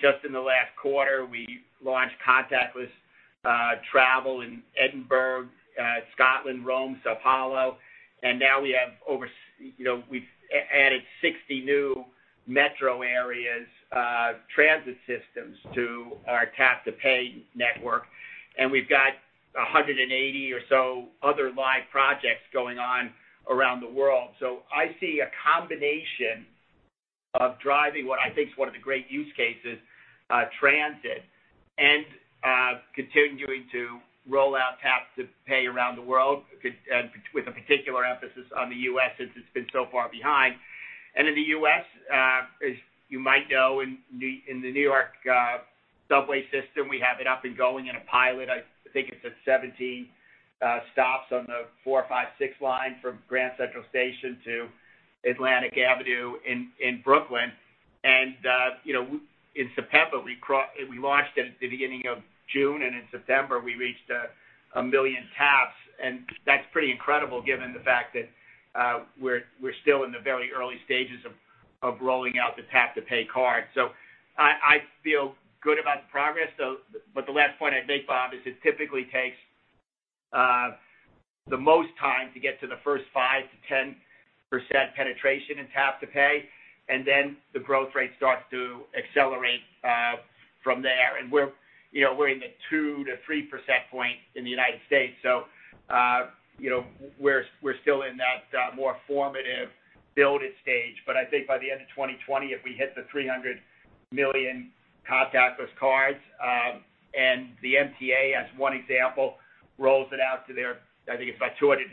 Just in the last quarter, we launched contactless travel in Edinburgh, Scotland, Rome, São Paulo, and now we've added 60 new metro areas transit systems to our tap to pay network, and we've got 180 or so other live projects going on around the world. I see a combination of driving what I think is one of the great use cases, transit, and continuing to roll out tap-to-pay around the world with a particular emphasis on the U.S. since it's been so far behind. In the U.S., as you might know, in the New York subway system, we have it up and going in a pilot. I think it's at 17 stops on the four, five, six line from Grand Central Station to Atlantic Avenue in Brooklyn. We launched it at the beginning of June, and in September, we reached 1 million taps, and that's pretty incredible given the fact that we're still in the very early stages of rolling out the tap-to-pay card. I feel good about the progress, the last point I'd make, Bob, is it typically takes the most time to get to the first 5% to 10% penetration in tap to pay, then the growth rate starts to accelerate from there. We're in the 2% to 3% point in the U.S., so we're still in that more formative building stage. I think by the end of 2020, if we hit the 300 million contactless cards, and the MTA, as one example, rolls it out to their, I think it's about 270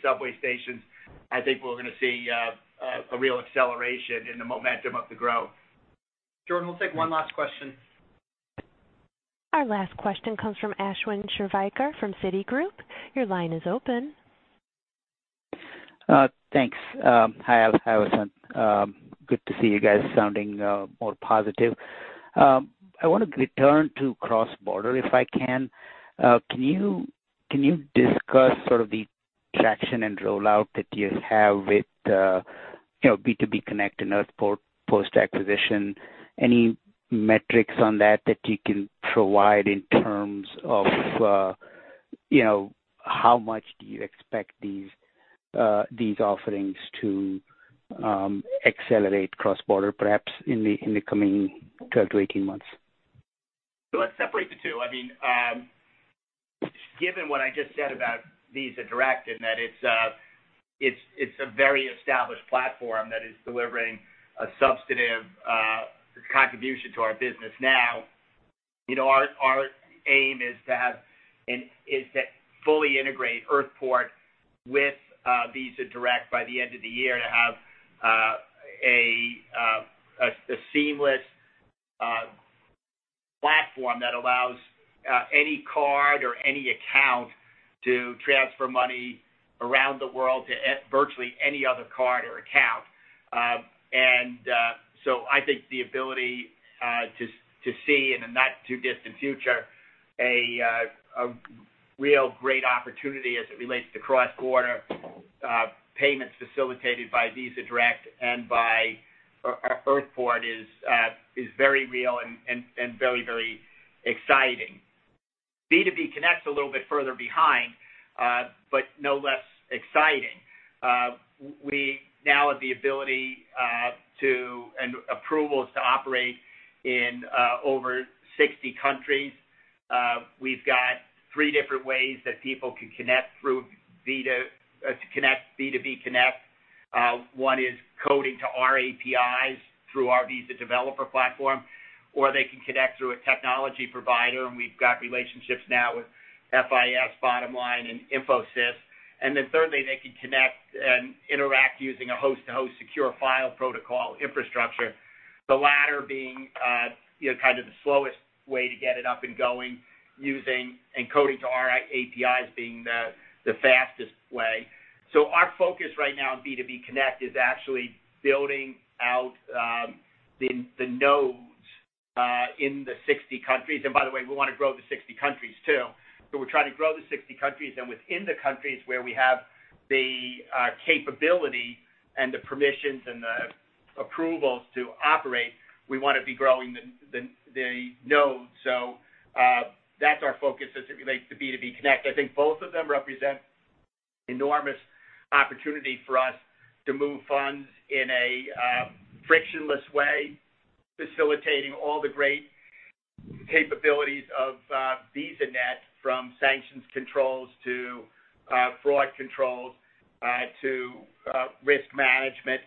subway stations, I think we're going to see a real acceleration in the momentum of the growth. Jordan, we'll take one last question. Our last question comes from Ashwin Shirvaikar from Citigroup. Your line is open. Thanks. Hi, Al, Hi, Vasant. Good to see you guys sounding more positive. I want to return to cross-border, if I can. Can you discuss sort of the traction and rollout that you have with B2B Connect and Earthport post-acquisition? Any metrics on that you can provide in terms of how much do you expect these offerings to accelerate cross-border, perhaps in the coming 12 months-18 months? Let's separate the two. Given what I just said about Visa Direct, in that it's a very established platform that is delivering a substantive contribution to our business now. Our aim is to fully integrate Earthport with Visa Direct by the end of the year to have a seamless platform that allows any card or any account to transfer money around the world to virtually any other card or account. I think the ability to see in the not-too-distant future, a real great opportunity as it relates to cross-border payments facilitated by Visa Direct and by Earthport is very real and very exciting. Visa B2B Connect's a little bit further behind, but no less exciting. We now have the ability and approvals to operate in over 60 countries. We've got three different ways that people can connect through Visa B2B Connect. One is coding to our APIs through our Visa Developer Platform, or they can connect through a technology provider, and we've got relationships now with FIS, Bottomline and Infosys. Thirdly, they can connect and interact using a host-to-host secure file protocol infrastructure. The latter being kind of the slowest way to get it up and going using and coding to our APIs being the fastest way. Our focus right now in B2B Connect is actually building out the nodes in the 60 countries. By the way, we want to grow the 60 countries too. We're trying to grow the 60 countries, and within the countries where we have the capability and the permissions and the approvals to operate, we want to be growing the nodes. That's our focus as it relates to B2B Connect. I think both of them represent enormous opportunity for us to move funds in a frictionless way, facilitating all the great capabilities of VisaNet from sanctions controls to fraud controls to risk management.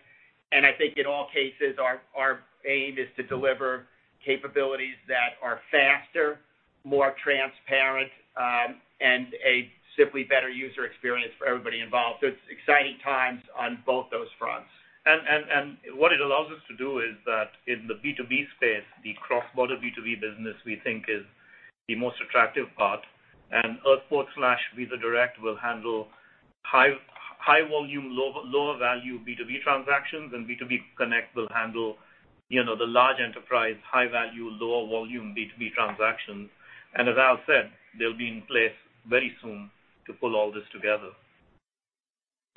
I think in all cases, our aim is to deliver capabilities that are faster, more transparent, and a simply better user experience for everybody involved. It's exciting times on both those fronts. What it allows us to do is that in the B2B space, the cross-border B2B business we think is the most attractive part. Earthport/Visa Direct will handle high volume, lower value B2B transactions, and B2B Connect will handle the large enterprise, high value, lower volume B2B transactions. As Al said, they'll be in place very soon to pull all this together.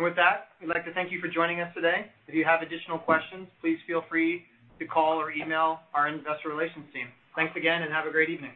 With that, we'd like to thank you for joining us today. If you have additional questions, please feel free to call or email our investor relations team. Thanks again, and have a great evening.